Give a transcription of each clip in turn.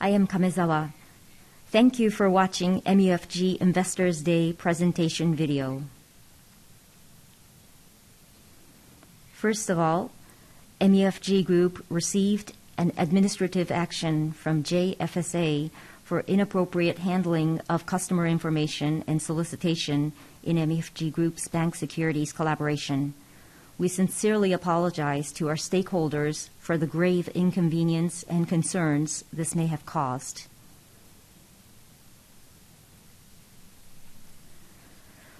I am Kamezawa. Thank you for watching MUFG Investors Day presentation video. First of all, MUFG Group received an administrative action from JFSA for inappropriate handling of customer information and solicitation in MUFG Group's bank securities collaboration. We sincerely apologize to our stakeholders for the grave inconvenience and concerns this may have caused.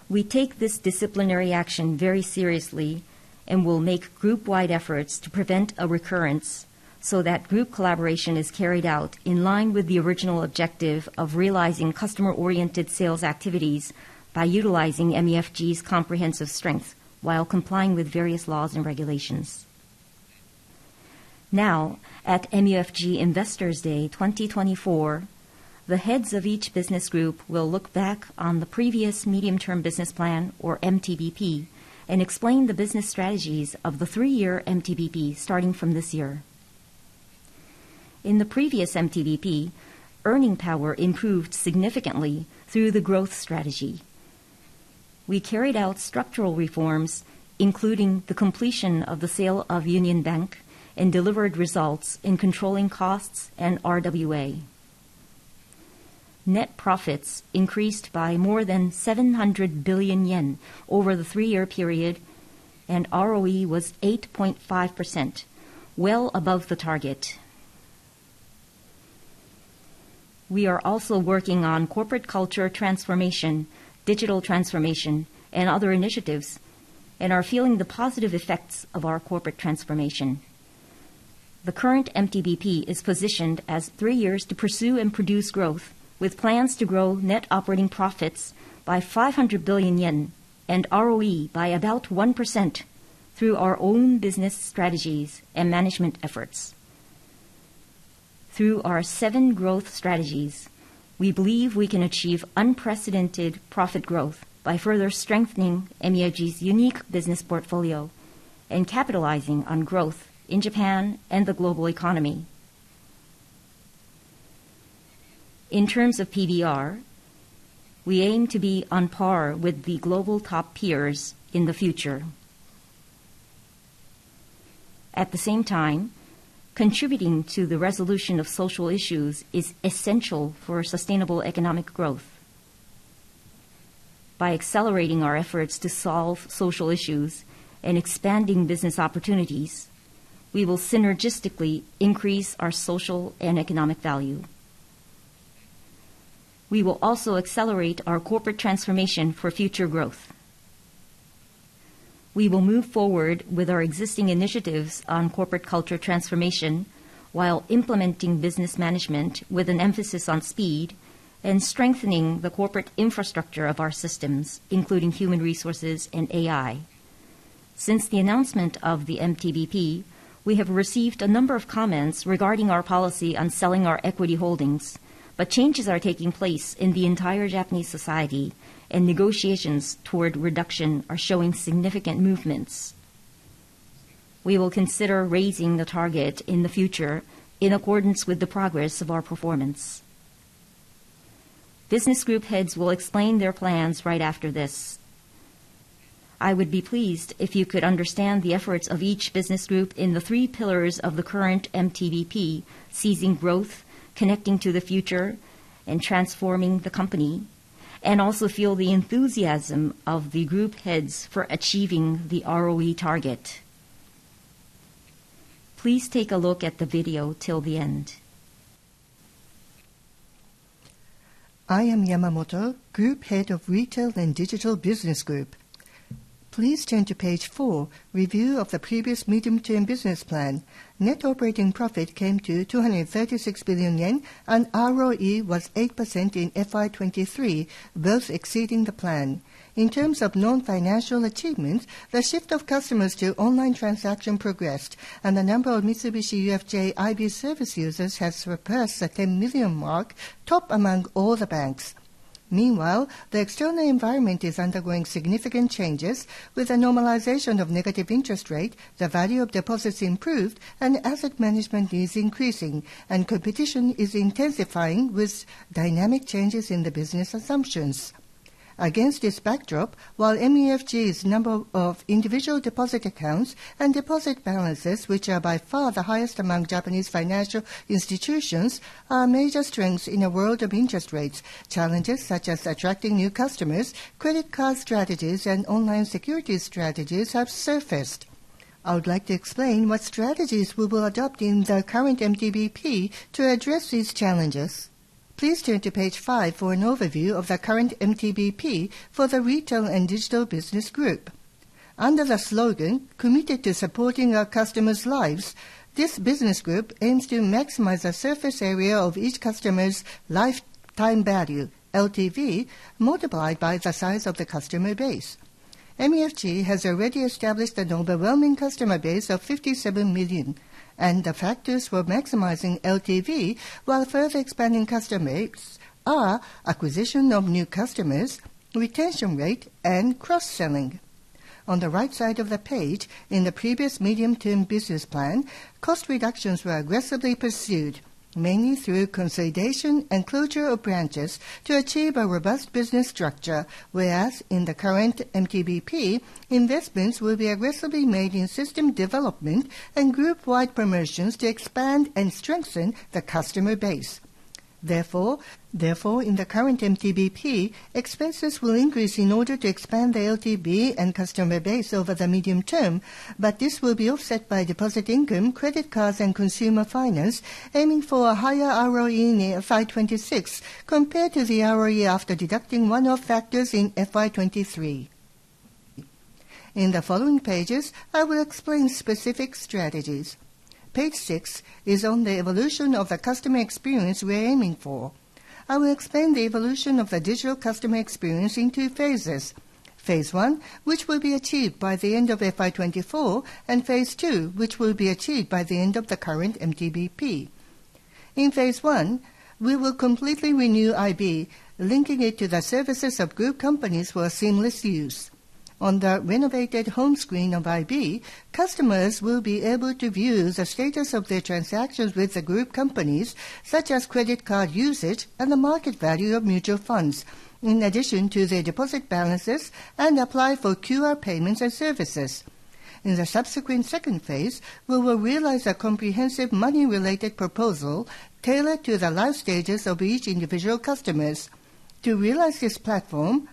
We take this disciplinary action very seriously and will make group-wide efforts to prevent a recurrence, so that group collaboration is carried out in line with the original objective of realizing customer-oriented sales activities by utilizing MUFG's comprehensive strength while complying with various laws and regulations. Now, at MUFG Investors Day 2024, the heads of each business group will look back on the previous Medium-term Business Plan, or MTBP, and explain the business strategies of the three-year MTBP starting from this year. In the previous MTBP, earning power improved significantly through the growth strategy. We carried out structural reforms, including the completion of the sale of Union Bank, and delivered results in controlling costs and RWA. Net profits increased by more than 700 billion yen over the three-year period, and ROE was 8.5%, well above the target. We are also working on corporate culture transformation, digital transformation, and other initiatives, and are feeling the positive effects of our corporate transformation. The current MTBP is positioned as three years to pursue and produce growth, with plans to grow net operating profits by 500 billion yen and ROE by about 1% through our own business strategies and management efforts. Through our 7 growth strategies, we believe we can achieve unprecedented profit growth by further strengthening MUFG's unique business portfolio and capitalizing on growth in Japan and the global economy. In terms of PBR, we aim to be on par with the global top peers in the future. At the same time, contributing to the resolution of social issues is essential for sustainable economic growth. By accelerating our efforts to solve social issues and expanding business opportunities, we will synergistically increase our social and economic value. We will also accelerate our corporate transformation for future growth. We will move forward with our existing initiatives on corporate culture transformation while implementing business management with an emphasis on speed and strengthening the corporate infrastructure of our systems, including human resources and AI. Since the announcement of the MTBP, we have received a number of comments regarding our policy on selling our equity holdings, but changes are taking place in the entire Japanese society, and negotiations toward reduction are showing significant movements. We will consider raising the target in the future in accordance with the progress of our performance. Business group heads will explain their plans right after this. I would be pleased if you could understand the efforts of each business group in the three pillars of the current MTBP: seizing growth, connecting to the future, and transforming the company, and also feel the enthusiasm of the group heads for achieving the ROE target. Please take a look at the video till the end. I am Yamamoto, Group Head of Retail and Digital Business Group. Please turn to page four, Review of the Previous Medium-Term Business Plan. Net operating profit came to 236 billion yen, and ROE was 8% in FY 2023, both exceeding the plan. In terms of non-financial achievements, the shift of customers to online transaction progressed, and the number of Mitsubishi UFJ IB service users has surpassed the 10 million mark, top among all the banks. Meanwhile, the external environment is undergoing significant changes. With the normalization of negative interest rate, the value of deposits improved and asset management is increasing, and competition is intensifying with dynamic changes in the business assumptions. Against this backdrop, while MUFG's number of individual deposit accounts and deposit balances, which are by far the highest among Japanese financial institutions, are major strengths in a world of interest rates, challenges such as attracting new customers, credit card strategies, and online security strategies have surfaced. I would like to explain what strategies we will adopt in the current MTBP to address these challenges. Please turn to page five for an overview of the current MTBP for the Retail and Digital Business Group. Under the slogan, "Committed to Supporting Our Customers' Lives," this business group aims to maximize the surface area of each customer's lifetime value, LTV, multiplied by the size of the customer base. MUFG has already established an overwhelming customer base of 57 million, and the factors for maximizing LTV while further expanding customer base are acquisition of new customers, retention rate, and cross-selling. On the right side of the page, in the previous Medium-term Business Plan, cost reductions were aggressively pursued, mainly through consolidation and closure of branches to achieve a robust business structure. Whereas in the current MTBP, investments will be aggressively made in system development and group-wide promotions to expand and strengthen the customer base. Therefore, therefore, in the current MTBP, expenses will increase in order to expand the LTV and customer base over the medium term, but this will be offset by deposit income, credit cards, and consumer finance, aiming for a higher ROE in FY 2026, compared to the ROE after deducting one-off factors in FY 2023. In the following pages, I will explain specific strategies. Page six is on the evolution of the customer experience we are aiming for. I will explain the evolution of the digital customer experience in two phases: phase one, which will be achieved by the end of FY 2024, and phase two, which will be achieved by the end of the current MTBP. In phase one, we will completely renew IB, linking it to the services of group companies for a seamless use. On the renovated home screen of IB, customers will be able to view the status of their transactions with the group companies, such as credit card usage and the market value of mutual funds, in addition to their deposit balances, and apply for QR payments and services. In the subsequent second phase, we will realize a comprehensive money-related proposal tailored to the life stages of each individual customers. To realize this platform,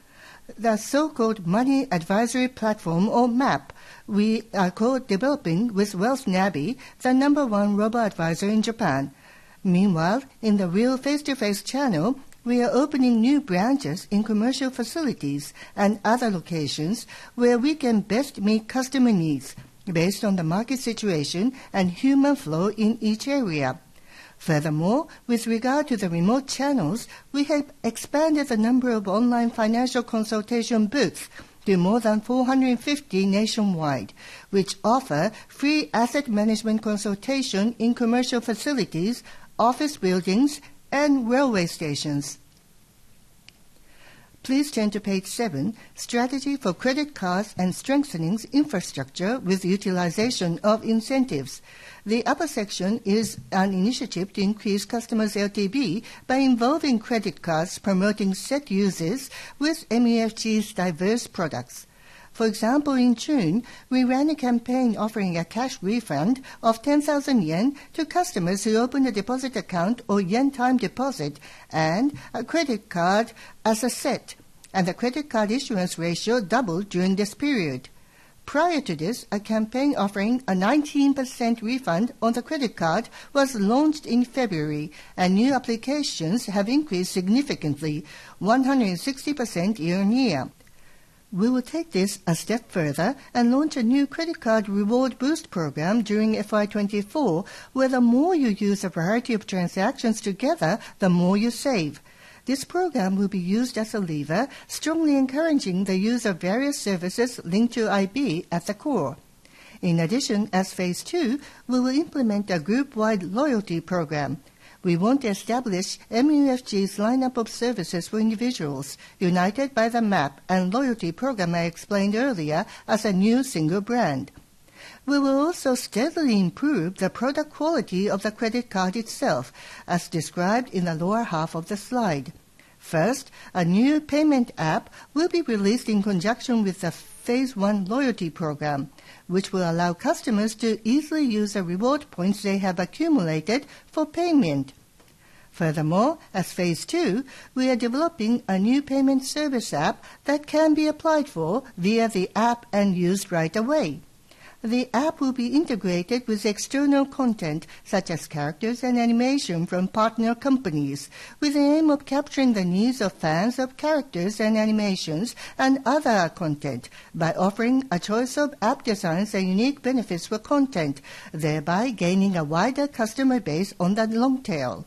the so-called Money Advisory Platform, or MAP, we are co-developing with WealthNavi, the number one robo-advisor in Japan. Meanwhile, in the real face-to-face channel, we are opening new branches in commercial facilities and other locations where we can best meet customer needs based on the market situation and human flow in each area. Furthermore, with regard to the remote channels, we have expanded the number of online financial consultation booths to more than 450 nationwide, which offer free asset management consultation in commercial facilities, office buildings, and railway stations. Please turn to page 7, Strategy for Credit Cards and Strengthening Infrastructure with Utilization of Incentives. The upper section is an initiative to increase customers' LTV by involving credit cards, promoting set uses with MUFG's diverse products. For example, in June, we ran a campaign offering a cash refund of 10,000 yen to customers who opened a deposit account or yen time deposit and a credit card as a set, and the credit card issuance ratio doubled during this period. Prior to this, a campaign offering a 19% refund on the credit card was launched in February, and new applications have increased significantly, 160% year-on-year. We will take this a step further and launch a new credit card reward boost program during FY 2024, where the more you use a variety of transactions together, the more you save. This program will be used as a lever, strongly encouraging the use of various services linked to IB at the core. In addition, as phase two, we will implement a group-wide loyalty program. We want to establish MUFG's lineup of services for individuals, united by the MAP and loyalty program I explained earlier as a new single brand. We will also steadily improve the product quality of the credit card itself, as described in the lower half of the slide. First, a new payment app will be released in conjunction with the phase one loyalty program, which will allow customers to easily use the reward points they have accumulated for payment. Furthermore, as phase two, we are developing a new payment service app that can be applied for via the app and used right away. The app will be integrated with external content, such as characters and animation from partner companies, with the aim of capturing the needs of fans of characters and animations and other content by offering a choice of app designs and unique benefits for content, thereby gaining a wider customer base on the long tail.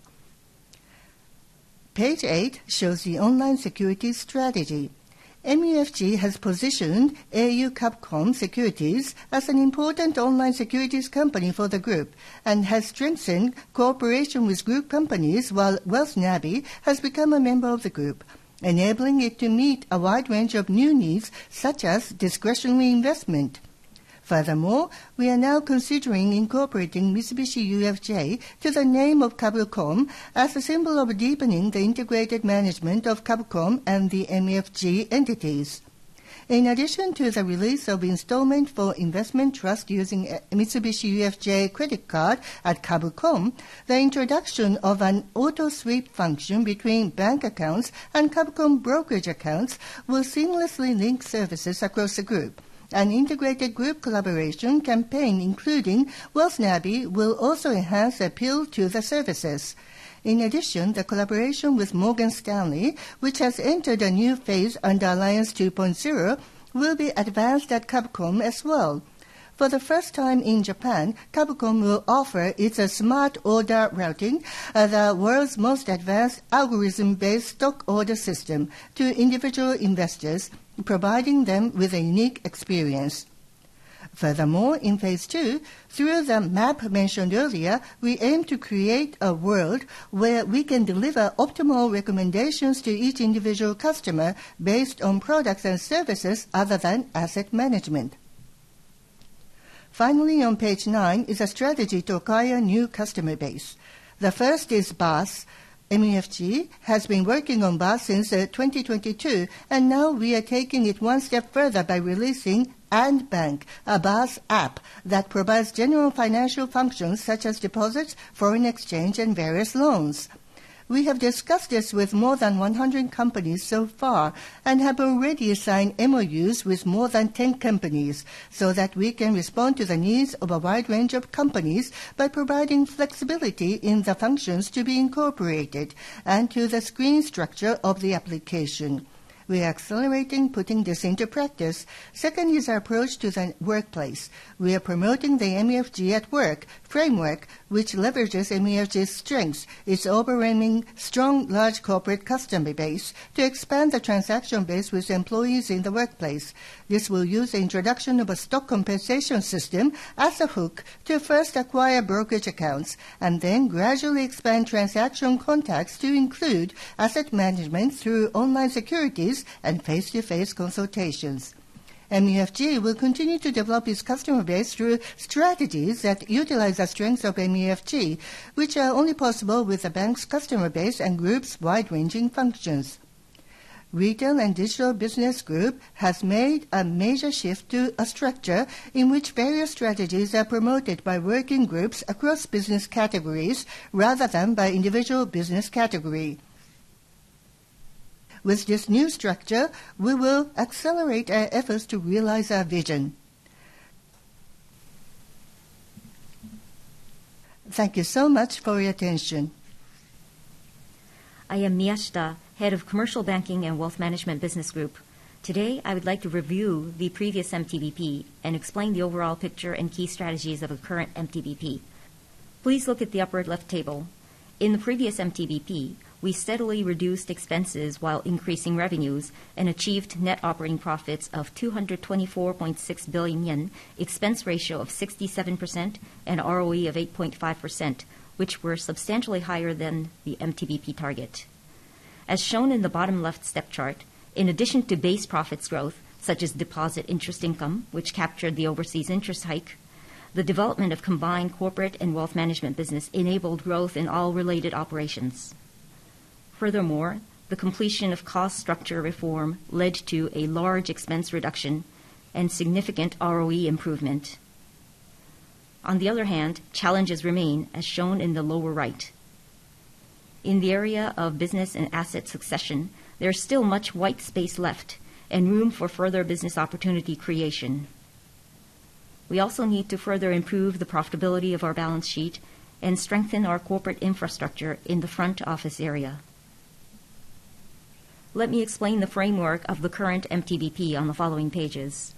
Page 8 shows the online securities strategy. MUFG has positioned au Kabucom Securities as an important online securities company for the group and has strengthened cooperation with group companies, while WealthNavi has become a member of the group, enabling it to meet a wide range of new needs, such as discretionary investment. Furthermore, we are now considering incorporating Mitsubishi UFJ to the name of Kabucom as a symbol of deepening the integrated management of Kabucom and the MUFG entities. In addition to the release of installment for investment trust using a Mitsubishi UFJ credit card at Kabucom, the introduction of an auto sweep function between bank accounts and Kabucom brokerage accounts will seamlessly link services across the group. An integrated group collaboration campaign, including WealthNavi, will also enhance the appeal to the services. In addition, the collaboration with Morgan Stanley, which has entered a new phase under Alliance 2.0, will be advanced at Kabucom as well. For the first time in Japan, Kabucom will offer its Smart Order Routing, the world's most advanced algorithm-based stock order system to individual investors, providing them with a unique experience.... Furthermore, in phase two, through the map mentioned earlier, we aim to create a world where we can deliver optimal recommendations to each individual customer based on products and services other than asset management. Finally, on page nine is a strategy to acquire new customer base. The first is BaaS. MUFG has been working on BaaS since 2022, and now we are taking it one step further by releasing &Bank, a BaaS app that provides general financial functions such as deposits, foreign exchange, and various loans. We have discussed this with more than 100 companies so far, and have already signed MOUs with more than 10 companies, so that we can respond to the needs of a wide range of companies by providing flexibility in the functions to be incorporated and to the screen structure of the application. We are accelerating putting this into practice. Second is our approach to the workplace. We are promoting the MUFG at Work framework, which leverages MUFG's strengths, its overwhelming strong, large corporate customer base, to expand the transaction base with employees in the workplace. This will use the introduction of a stock compensation system as a hook to first acquire brokerage accounts, and then gradually expand transaction contacts to include asset management through online securities and face-to-face consultations. MUFG will continue to develop its customer base through strategies that utilize the strengths of MUFG, which are only possible with the bank's customer base and group's wide-ranging functions. Retail and Digital Business Group has made a major shift to a structure in which various strategies are promoted by working groups across business categories rather than by individual business category. With this new structure, we will accelerate our efforts to realize our vision. Thank you so much for your attention. I am Miyashita, Head of Commercial Banking and Wealth Management Business Group. Today, I would like to review the previous MTBP and explain the overall picture and key strategies of the current MTBP. Please look at the upper-left table. In the previous MTBP, we steadily reduced expenses while increasing revenues and achieved net operating profits of 224.6 billion yen, expense ratio of 67%, and ROE of 8.5%, which were substantially higher than the MTBP target. As shown in the bottom-left step chart, in addition to base profits growth, such as deposit interest income, which captured the overseas interest hike, the development of combined corporate and wealth management business enabled growth in all related operations. Furthermore, the completion of cost structure reform led to a large expense reduction and significant ROE improvement. On the other hand, challenges remain, as shown in the lower right. In the area of business and asset succession, there is still much white space left and room for further business opportunity creation. We also need to further improve the profitability of our balance sheet and strengthen our corporate infrastructure in the front office area. Let me explain the framework of the current MTBP on the following pages.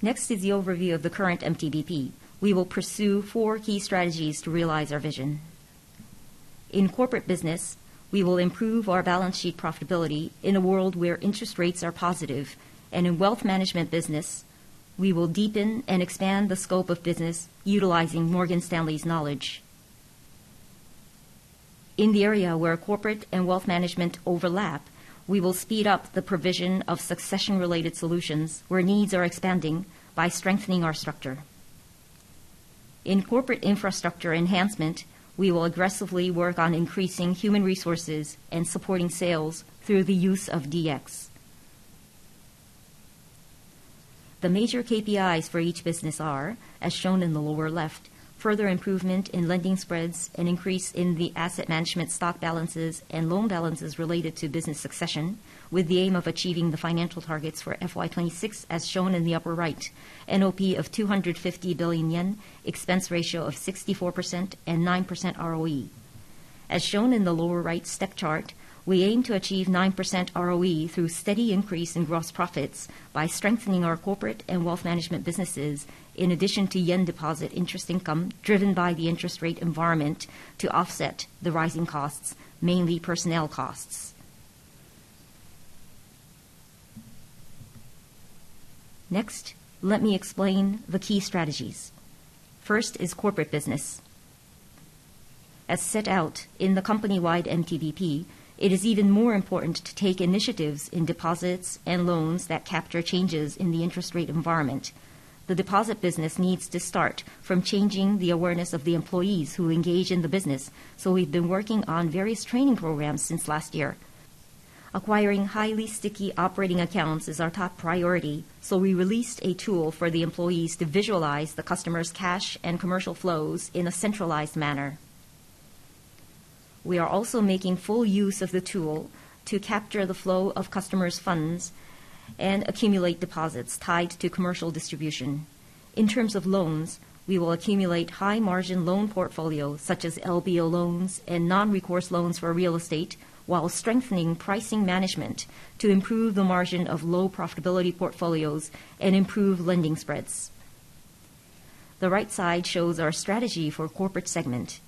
Next is the overview of the current MTBP. We will pursue four key strategies to realize our vision. In corporate business, we will improve our balance sheet profitability in a world where interest rates are positive, and in wealth management business, we will deepen and expand the scope of business utilizing Morgan Stanley's knowledge. In the area where corporate and wealth management overlap, we will speed up the provision of succession-related solutions, where needs are expanding, by strengthening our structure. In corporate infrastructure enhancement, we will aggressively work on increasing human resources and supporting sales through the use of DX. The major KPIs for each business are, as shown in the lower left, further improvement in lending spreads, an increase in the asset management stock balances and loan balances related to business succession, with the aim of achieving the financial targets for FY 2026, as shown in the upper right, NOP of 250 billion yen, expense ratio of 64%, and 9% ROE. As shown in the lower right step chart, we aim to achieve 9% ROE through steady increase in gross profits by strengthening our corporate and wealth management businesses, in addition to yen deposit interest income, driven by the interest rate environment to offset the rising costs, mainly personnel costs. Next, let me explain the key strategies. First is corporate business. As set out in the company-wide MTBP, it is even more important to take initiatives in deposits and loans that capture changes in the interest rate environment. The deposit business needs to start from changing the awareness of the employees who engage in the business, so we've been working on various training programs since last year. Acquiring highly sticky operating accounts is our top priority, so we released a tool for the employees to visualize the customer's cash and commercial flows in a centralized manner. We are also making full use of the tool to capture the flow of customers' funds and accumulate deposits tied to commercial distribution. In terms of loans, we will accumulate high-margin loan portfolios, such as LBO loans and non-recourse loans for real estate, while strengthening pricing management to improve the margin of low profitability portfolios and improve lending spreads. The right side shows our strategy for corporate segment.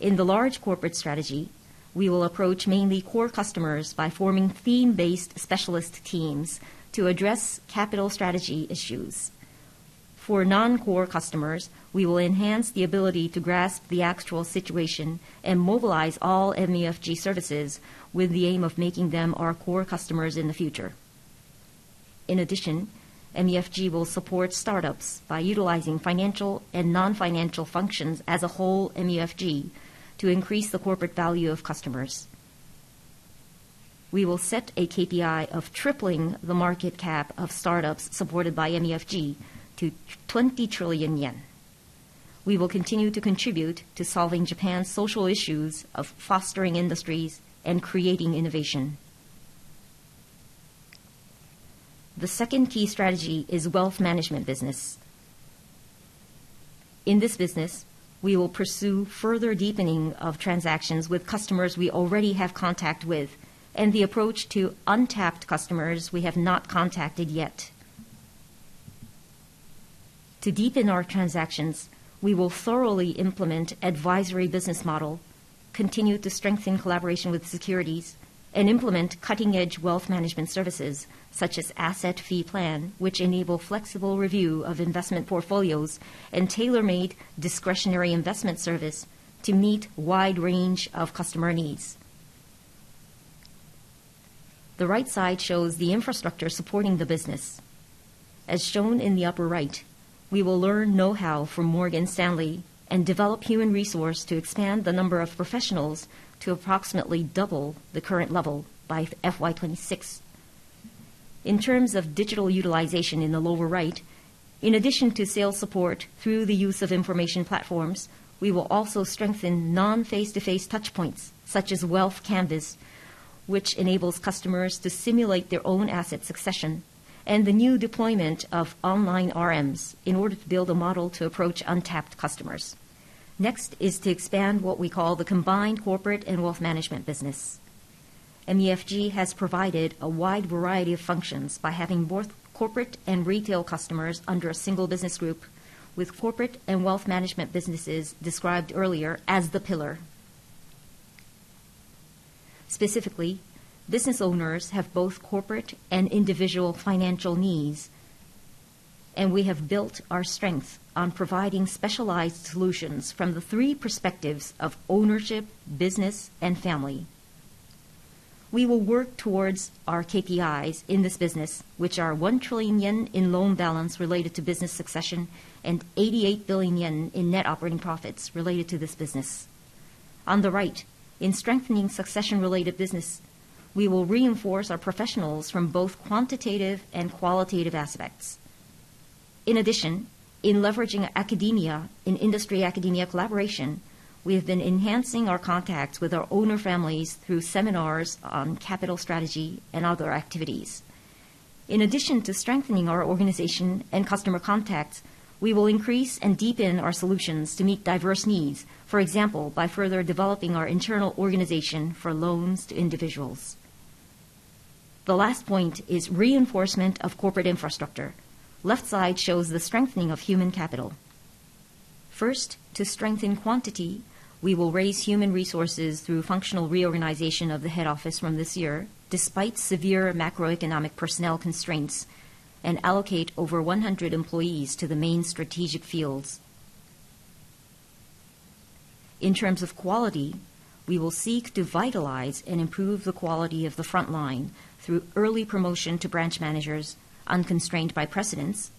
In the large corporate strategy, we will approach mainly core customers by forming theme-based specialist teams to address capital strategy issues. For non-core customers, we will enhance the ability to grasp the actual situation and mobilize all MUFG services with the aim of making them our core customers in the future. In addition, MUFG will support startups by utilizing financial and non-financial functions as a whole MUFG to increase the corporate value of customers. We will set a KPI of tripling the market cap of startups supported by MUFG to 20 trillion yen. We will continue to contribute to solving Japan's social issues of fostering industries and creating innovation. The second key strategy is wealth management business. In this business, we will pursue further deepening of transactions with customers we already have contact with, and the approach to untapped customers we have not contacted yet. To deepen our transactions, we will thoroughly implement advisory business model, continue to strengthen collaboration with securities, and implement cutting-edge wealth management services such as Asset Fee Plan, which enable flexible review of investment portfolios and tailor-made discretionary investment service to meet wide range of customer needs. The right side shows the infrastructure supporting the business. As shown in the upper right, we will learn know-how from Morgan Stanley and develop human resource to expand the number of professionals to approximately double the current level by FY 2026. In terms of digital utilization in the lower right, in addition to sales support through the use of information platforms, we will also strengthen non-face-to-face touch points, such as Wealth Canvas, which enables customers to simulate their own asset succession and the new deployment of online RMs in order to build a model to approach untapped customers. Next is to expand what we call the combined corporate and wealth management business. MUFG has provided a wide variety of functions by having both corporate and retail customers under a single business group, with corporate and wealth management businesses described earlier as the pillar. Specifically, business owners have both corporate and individual financial needs, and we have built our strength on providing specialized solutions from the three perspectives of ownership, business, and family. We will work towards our KPIs in this business, which are 1 trillion yen in loan balance related to business succession and 88 billion yen in net operating profits related to this business. On the right, in strengthening succession-related business, we will reinforce our professionals from both quantitative and qualitative aspects. In addition, in leveraging academia, in industry-academia collaboration, we have been enhancing our contacts with our owner families through seminars on capital strategy and other activities. In addition to strengthening our organization and customer contacts, we will increase and deepen our solutions to meet diverse needs, for example, by further developing our internal organization for loans to individuals. The last point is reinforcement of corporate infrastructure. Left side shows the strengthening of human capital. First, to strengthen quantity, we will raise human resources through functional reorganization of the head office from this year, despite severe macroeconomic personnel constraints, and allocate over 100 employees to the main strategic fields. In terms of quality, we will seek to vitalize and improve the quality of the front line through early promotion to branch managers unconstrained by precedents,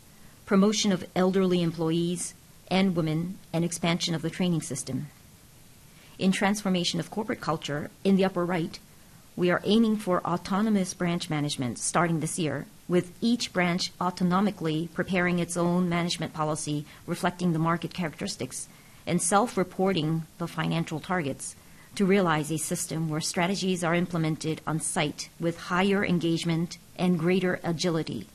promotion of elderly employees and women, and expansion of the training system. In transformation of corporate culture, in the upper right, we are aiming for autonomous branch management starting this year, with each branch autonomically preparing its own management policy, reflecting the market characteristics and self-reporting the financial targets to realize a system where strategies are implemented on-site with higher engagement and greater agility.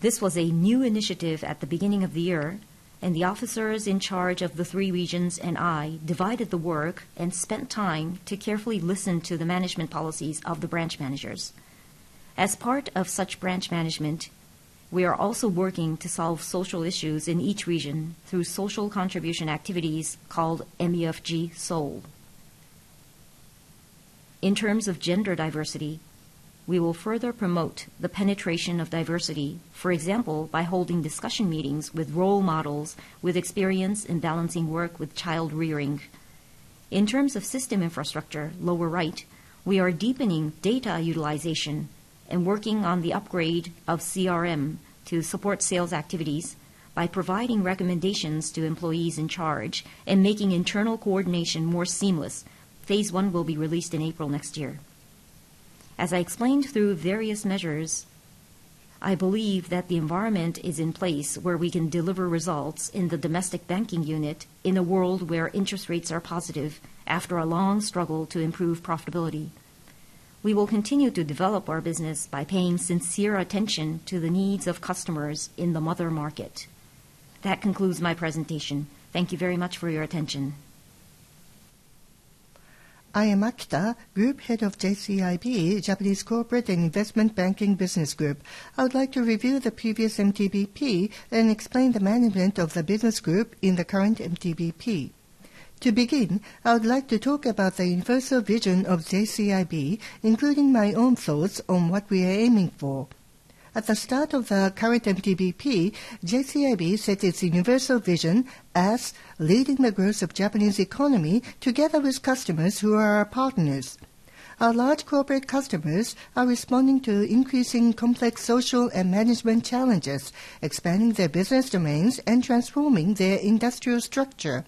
This was a new initiative at the beginning of the year, and the officers in charge of the three regions and I divided the work and spent time to carefully listen to the management policies of the branch managers. As part of such branch management, we are also working to solve social issues in each region through social contribution activities called MUFG Soul. In terms of gender diversity, we will further promote the penetration of diversity, for example, by holding discussion meetings with role models, with experience in balancing work with child rearing. In terms of system infrastructure, lower right, we are deepening data utilization and working on the upgrade of CRM to support sales activities by providing recommendations to employees in charge and making internal coordination more seamless. Phase one will be released in April next year. As I explained through various measures, I believe that the environment is in place where we can deliver results in the domestic banking unit, in a world where interest rates are positive after a long struggle to improve profitability. We will continue to develop our business by paying sincere attention to the needs of customers in the mother market. That concludes my presentation. Thank you very much for your attention. I am Akita, Group Head of JCIB, Japanese Corporate and Investment Banking Business Group. I would like to review the previous MTBP and explain the management of the business group in the current MTBP. To begin, I would like to talk about the universal vision of JCIB, including my own thoughts on what we are aiming for. At the start of the current MTBP, JCIB set its universal vision as leading the growth of Japanese economy together with customers who are our partners. Our large corporate customers are responding to increasing complex social and management challenges, expanding their business domains and transforming their industrial structure.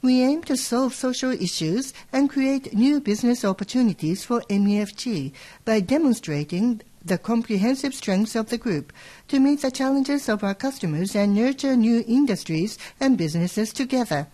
We aim to solve social issues and create new business opportunities for MUFG by demonstrating the comprehensive strengths of the group to meet the challenges of our customers and nurture new industries and businesses together.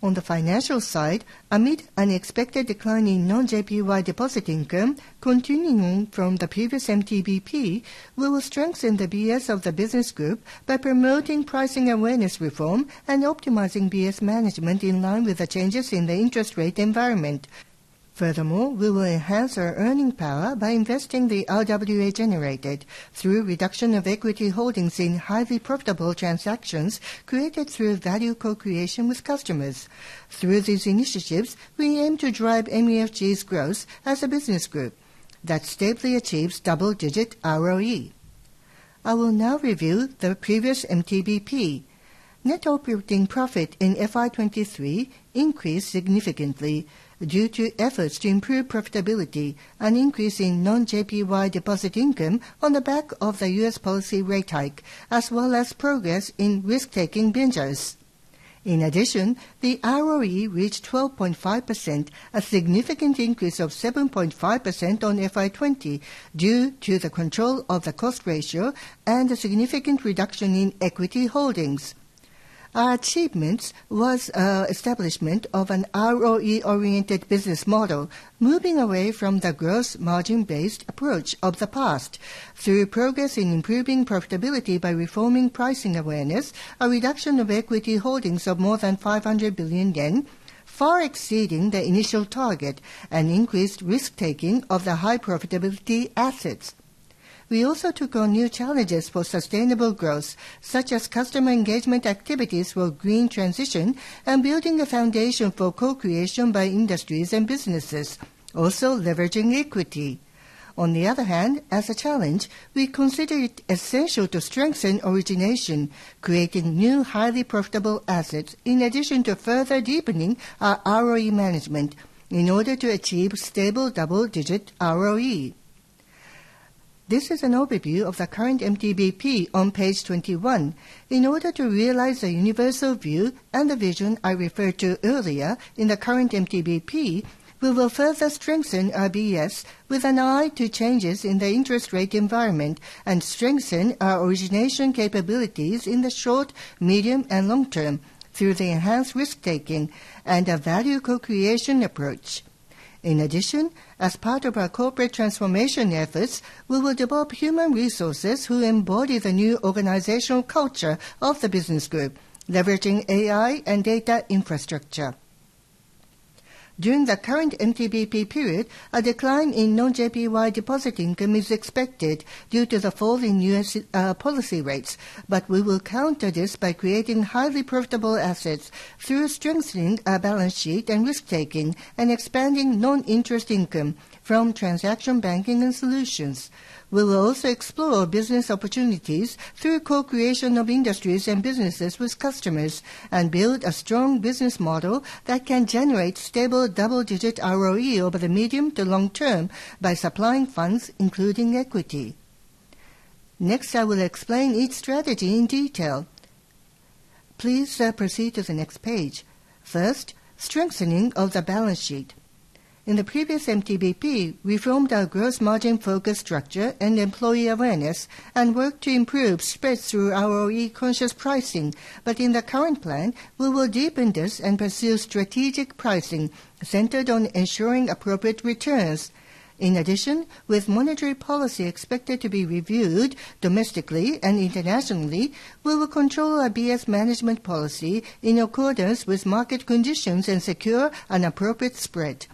On the financial side, amid an expected decline in non-JPY deposit income, continuing from the previous MTBP, we will strengthen the BS of the business group by promoting pricing awareness reform and optimizing BS management in line with the changes in the interest rate environment. Furthermore, we will enhance our earning power by investing the RWA generated through reduction of equity holdings in highly profitable transactions created through value co-creation with customers. Through these initiatives, we aim to drive MUFG's growth as a business group that stably achieves double-digit ROE. I will now review the previous MTBP. Net operating profit in FY 2023 increased significantly due to efforts to improve profitability, an increase in non-JPY deposit income on the back of the US policy rate hike, as well as progress in risk-taking ventures. In addition, the ROE reached 12.5%, a significant increase of 7.5% on FY 2020, due to the control of the cost ratio and a significant reduction in equity holdings. Our achievements was establishment of an ROE-oriented business model, moving away from the gross margin-based approach of the past through progress in improving profitability by reforming pricing awareness, a reduction of equity holdings of more than 500 billion yen, far exceeding the initial target, and increased risk-taking of the high profitability assets. We also took on new challenges for sustainable growth, such as customer engagement activities for green transition and building a foundation for co-creation by industries and businesses, also leveraging equity. On the other hand, as a challenge, we consider it essential to strengthen origination, creating new, highly profitable assets, in addition to further deepening our ROE management in order to achieve stable double-digit ROE. This is an overview of the current MTBP on page 21. In order to realize the universal view and the vision I referred to earlier in the current MTBP, we will further strengthen our BS with an eye to changes in the interest rate environment and strengthen our origination capabilities in the short, medium, and long term through the enhanced risk-taking and a value co-creation approach. In addition, as part of our corporate transformation efforts, we will develop human resources who embody the new organizational culture of the business group, leveraging AI and data infrastructure. During the current MTBP period, a decline in non-JPY deposit income is expected due to the fall in US policy rates, but we will counter this by creating highly profitable assets through strengthening our balance sheet and risk-taking, and expanding non-interest income from transaction banking and solutions. We will also explore business opportunities through co-creation of industries and businesses with customers and build a strong business model that can generate stable double-digit ROE over the medium to long term by supplying funds, including equity. Next, I will explain each strategy in detail. Please, proceed to the next page. First, strengthening of the balance sheet. In the previous MTBP, we formed our gross margin-focused structure and employee awareness and worked to improve spreads through ROE-conscious pricing. But in the current plan, we will deepen this and pursue strategic pricing centered on ensuring appropriate returns. In addition, with monetary policy expected to be reviewed domestically and internationally, we will control our BS management policy in accordance with market conditions and secure an appropriate spread.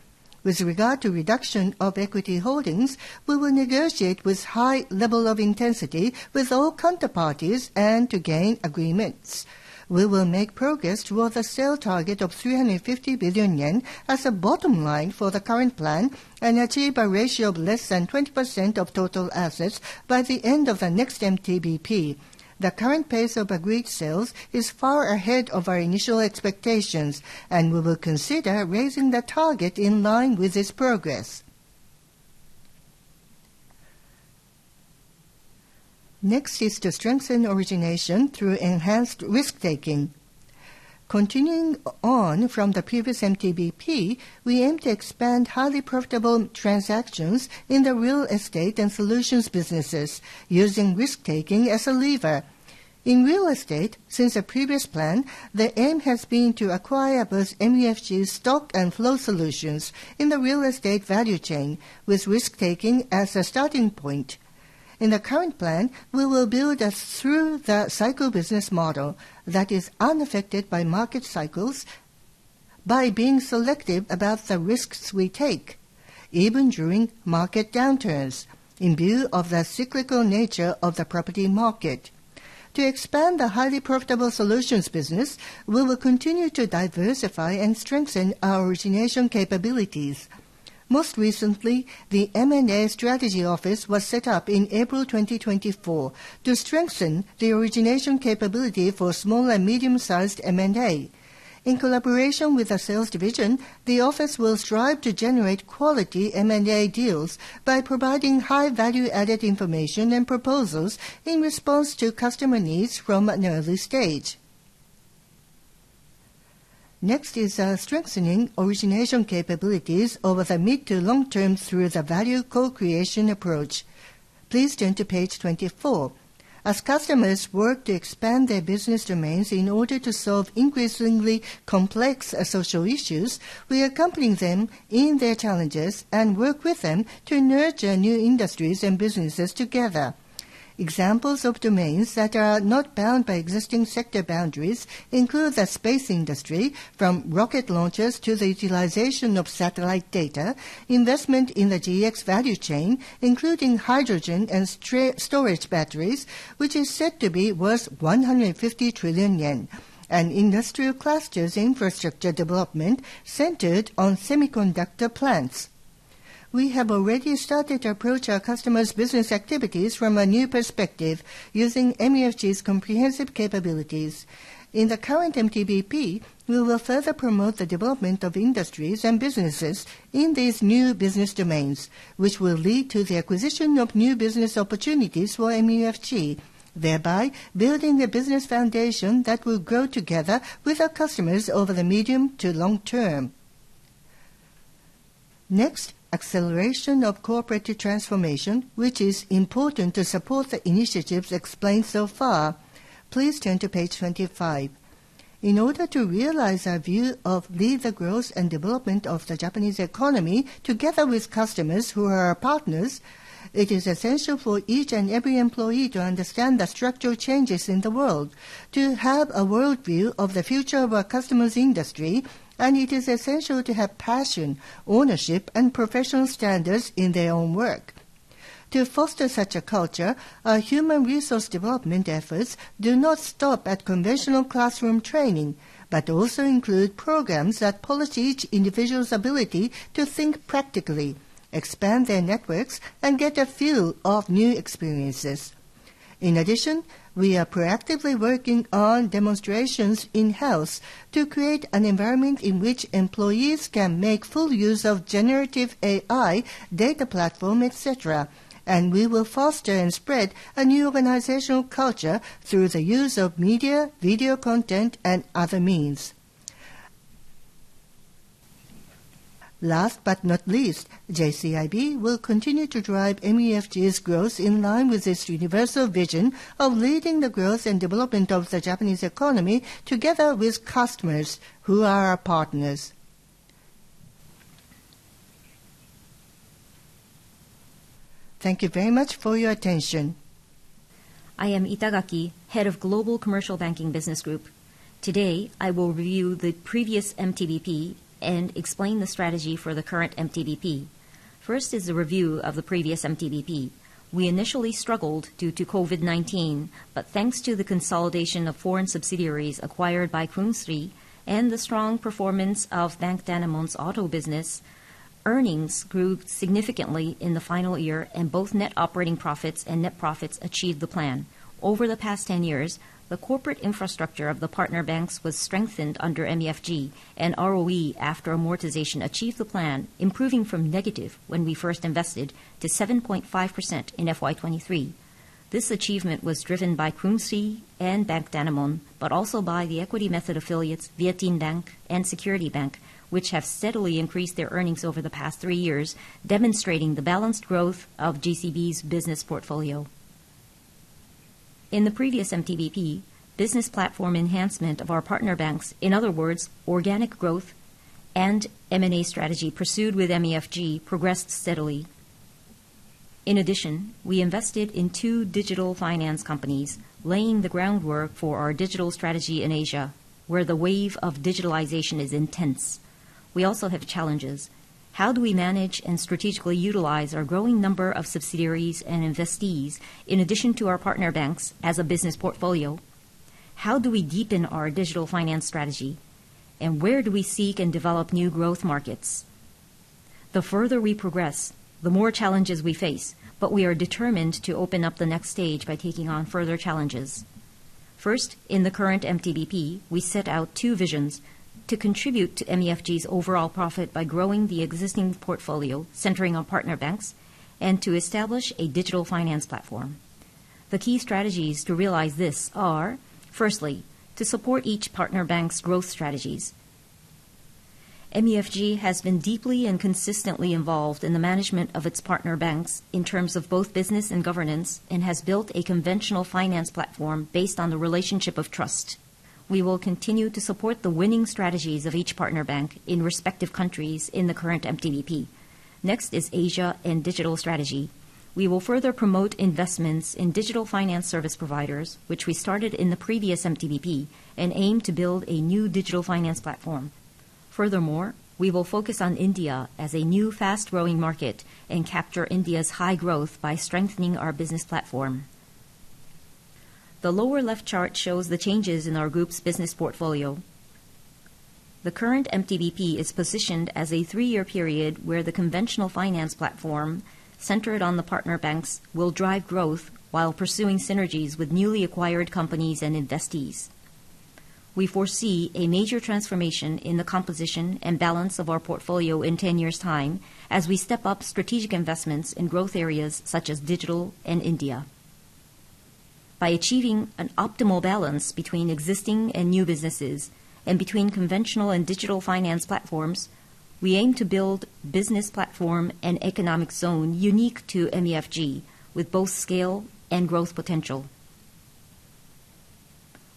With regard to reduction of equity holdings, we will negotiate with high level of intensity with all counterparties and to gain agreements. We will make progress towards a sale target of 350 billion yen as a bottom line for the current plan, and achieve a ratio of less than 20% of total assets by the end of the next MTBP. The current pace of agreed sales is far ahead of our initial expectations, and we will consider raising the target in line with this progress. Next is to strengthen origination through enhanced risk-taking. Continuing on from the previous MTBP, we aim to expand highly profitable transactions in the real estate and solutions businesses, using risk-taking as a lever. In real estate, since the previous plan, the aim has been to acquire both MUFG's stock and flow solutions in the real estate value chain, with risk-taking as a starting point. In the current plan, we will build a through-the-cycle business model that is unaffected by market cycles by being selective about the risks we take, even during market downturns, in view of the cyclical nature of the property market. To expand the highly profitable solutions business, we will continue to diversify and strengthen our origination capabilities. Most recently, the M&A Strategy Office was set up in April 2024 to strengthen the origination capability for small and medium-sized M&A. In collaboration with the sales division, the office will strive to generate quality M&A deals by providing high value-added information and proposals in response to customer needs from an early stage. Next is strengthening origination capabilities over the mid to long term through the value co-creation approach. Please turn to page 24. As customers work to expand their business domains in order to solve increasingly complex social issues, we accompany them in their challenges and work with them to nurture new industries and businesses together. Examples of domains that are not bound by existing sector boundaries include the space industry, from rocket launches to the utilization of satellite data, investment in the GX value chain, including hydrogen and storage batteries, which is said to be worth 150 trillion yen, and industrial clusters infrastructure development centered on semiconductor plants. We have already started to approach our customers' business activities from a new perspective, using MUFG's comprehensive capabilities. In the current MTBP, we will further promote the development of industries and businesses in these new business domains, which will lead to the acquisition of new business opportunities for MUFG, thereby building a business foundation that will grow together with our customers over the medium to long term. Next, acceleration of corporate transformation, which is important to support the initiatives explained so far. Please turn to page 25. In order to realize our view of lead the growth and development of the Japanese economy together with customers who are our partners, it is essential for each and every employee to understand the structural changes in the world, to have a worldview of the future of our customer's industry, and it is essential to have passion, ownership, and professional standards in their own work. To foster such a culture, our human resource development efforts do not stop at conventional classroom training, but also include programs that polish each individual's ability to think practically, expand their networks, and get a feel of new experiences. In addition, we are proactively working on demonstrations in-house to create an environment in which employees can make full use of generative AI, data platform, et cetera, and we will foster and spread a new organizational culture through the use of media, video content, and other means. Last but not least, JCIB will continue to drive MUFG's growth in line with its universal vision of leading the growth and development of the Japanese economy together with customers who are our partners. Thank you very much for your attention. I am Itagaki, Head of Global Commercial Banking Business Group. Today, I will review the previous MTBP and explain the strategy for the current MTBP. First is a review of the previous MTBP. We initially struggled due to COVID-19, but thanks to the consolidation of foreign subsidiaries acquired by Krungsri and the strong performance of Bank Danamon's auto business, earnings grew significantly in the final year, and both net operating profits and net profits achieved the plan. Over the past 10 years, the corporate infrastructure of the partner banks was strengthened under MUFG, and ROE after amortization achieved the plan, improving from negative when we first invested to 7.5% in FY 2023. This achievement was driven by Krungsri and Bank Danamon, but also by the equity method affiliates, VietinBank and Security Bank, which have steadily increased their earnings over the past three years, demonstrating the balanced growth of GCB's business portfolio. In the previous MTBP, business platform enhancement of our partner banks, in other words, organic growth and M&A strategy pursued with MUFG, progressed steadily. In addition, we invested in two digital finance companies, laying the groundwork for our digital strategy in Asia, where the wave of digitalization is intense. We also have challenges. How do we manage and strategically utilize our growing number of subsidiaries and investees, in addition to our partner banks, as a business portfolio? How do we deepen our digital finance strategy? And where do we seek and develop new growth markets? The further we progress, the more challenges we face, but we are determined to open up the next stage by taking on further challenges. First, in the current MTBP, we set out two visions: to contribute to MUFG's overall profit by growing the existing portfolio, centering on partner banks, and to establish a digital finance platform. The key strategies to realize this are, firstly, to support each partner bank's growth strategies. MUFG has been deeply and consistently involved in the management of its partner banks in terms of both business and governance, and has built a conventional finance platform based on the relationship of trust. We will continue to support the winning strategies of each partner bank in respective countries in the current MTBP. Next is Asia and digital strategy. We will further promote investments in digital finance service providers, which we started in the previous MTBP, and aim to build a new digital finance platform. Furthermore, we will focus on India as a new fast-growing market and capture India's high growth by strengthening our business platform. The lower left chart shows the changes in our group's business portfolio. The current MTBP is positioned as a three-year period, where the conventional finance platform, centered on the partner banks, will drive growth while pursuing synergies with newly acquired companies and investees. We foresee a major transformation in the composition and balance of our portfolio in 10 years' time, as we step up strategic investments in growth areas such as digital and India. By achieving an optimal balance between existing and new businesses, and between conventional and digital finance platforms, we aim to build business platform and economic zone unique to MUFG, with both scale and growth potential.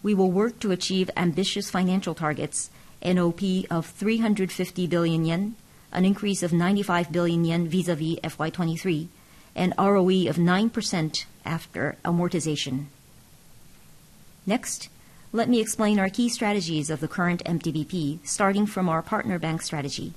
We will work to achieve ambitious financial targets, NOP of 350 billion yen, an increase of 95 billion yen vis-à-vis FY 2023, and ROE of 9% after amortization. Next, let me explain our key strategies of the current MTBP, starting from our partner bank strategy.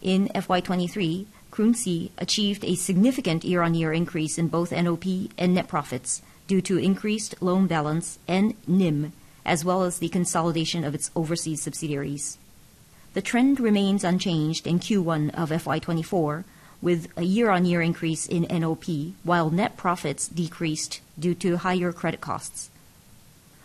In FY 2023, Krungsri achieved a significant year-on-year increase in both NOP and net profits due to increased loan balance and NIM, as well as the consolidation of its overseas subsidiaries. The trend remains unchanged in Q1 of FY 2024, with a year-on-year increase in NOP, while net profits decreased due to higher credit costs.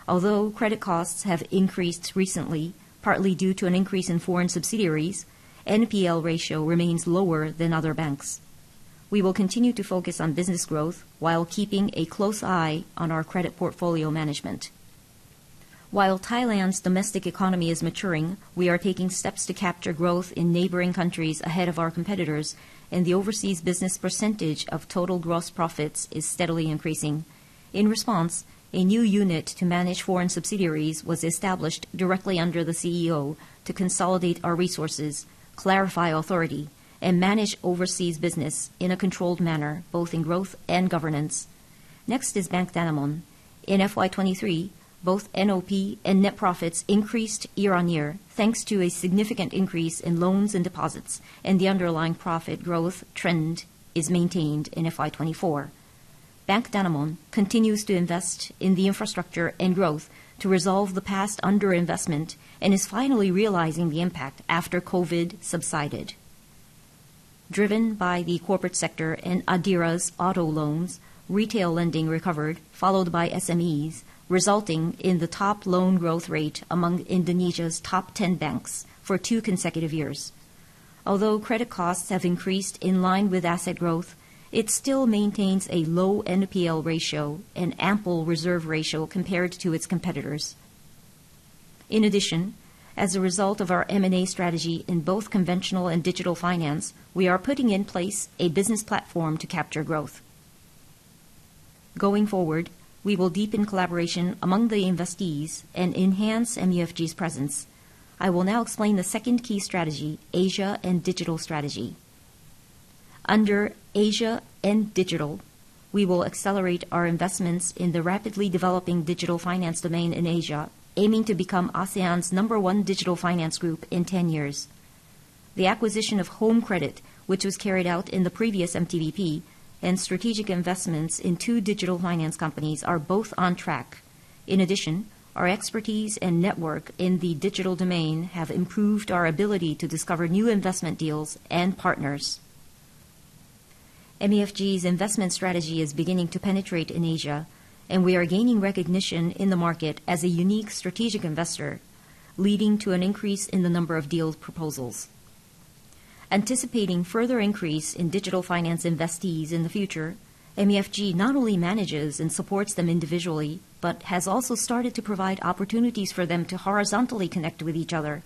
Although credit costs have increased recently, partly due to an increase in foreign subsidiaries, NPL ratio remains lower than other banks. We will continue to focus on business growth while keeping a close eye on our credit portfolio management. While Thailand's domestic economy is maturing, we are taking steps to capture growth in neighboring countries ahead of our competitors, and the overseas business percentage of total gross profits is steadily increasing. In response, a new unit to manage foreign subsidiaries was established directly under the CEO to consolidate our resources, clarify authority, and manage overseas business in a controlled manner, both in growth and governance. Next is Bank Danamon. In FY 2023, both NOP and net profits increased year-on-year, thanks to a significant increase in loans and deposits, and the underlying profit growth trend is maintained in FY 2024. Bank Danamon continues to invest in the infrastructure and growth to resolve the past underinvestment, and is finally realizing the impact after COVID subsided. Driven by the corporate sector and Adira's auto loans, retail lending recovered, followed by SMEs, resulting in the top loan growth rate among Indonesia's top 10 banks for 2 consecutive years. Although credit costs have increased in line with asset growth, it still maintains a low NPL ratio and ample reserve ratio compared to its competitors. In addition, as a result of our M&A strategy in both conventional and digital finance, we are putting in place a business platform to capture growth. Going forward, we will deepen collaboration among the investees and enhance MUFG's presence. I will now explain the second key strategy, Asia and digital strategy. Under Asia and digital, we will accelerate our investments in the rapidly developing digital finance domain in Asia, aiming to become ASEAN's number one digital finance group in 10 years. The acquisition of Home Credit, which was carried out in the previous MTBP, and strategic investments in two digital finance companies, are both on track. In addition, our expertise and network in the digital domain have improved our ability to discover new investment deals and partners. MUFG's investment strategy is beginning to penetrate in Asia, and we are gaining recognition in the market as a unique strategic investor, leading to an increase in the number of deal proposals. Anticipating further increase in digital finance investees in the future, MUFG not only manages and supports them individually, but has also started to provide opportunities for them to horizontally connect with each other.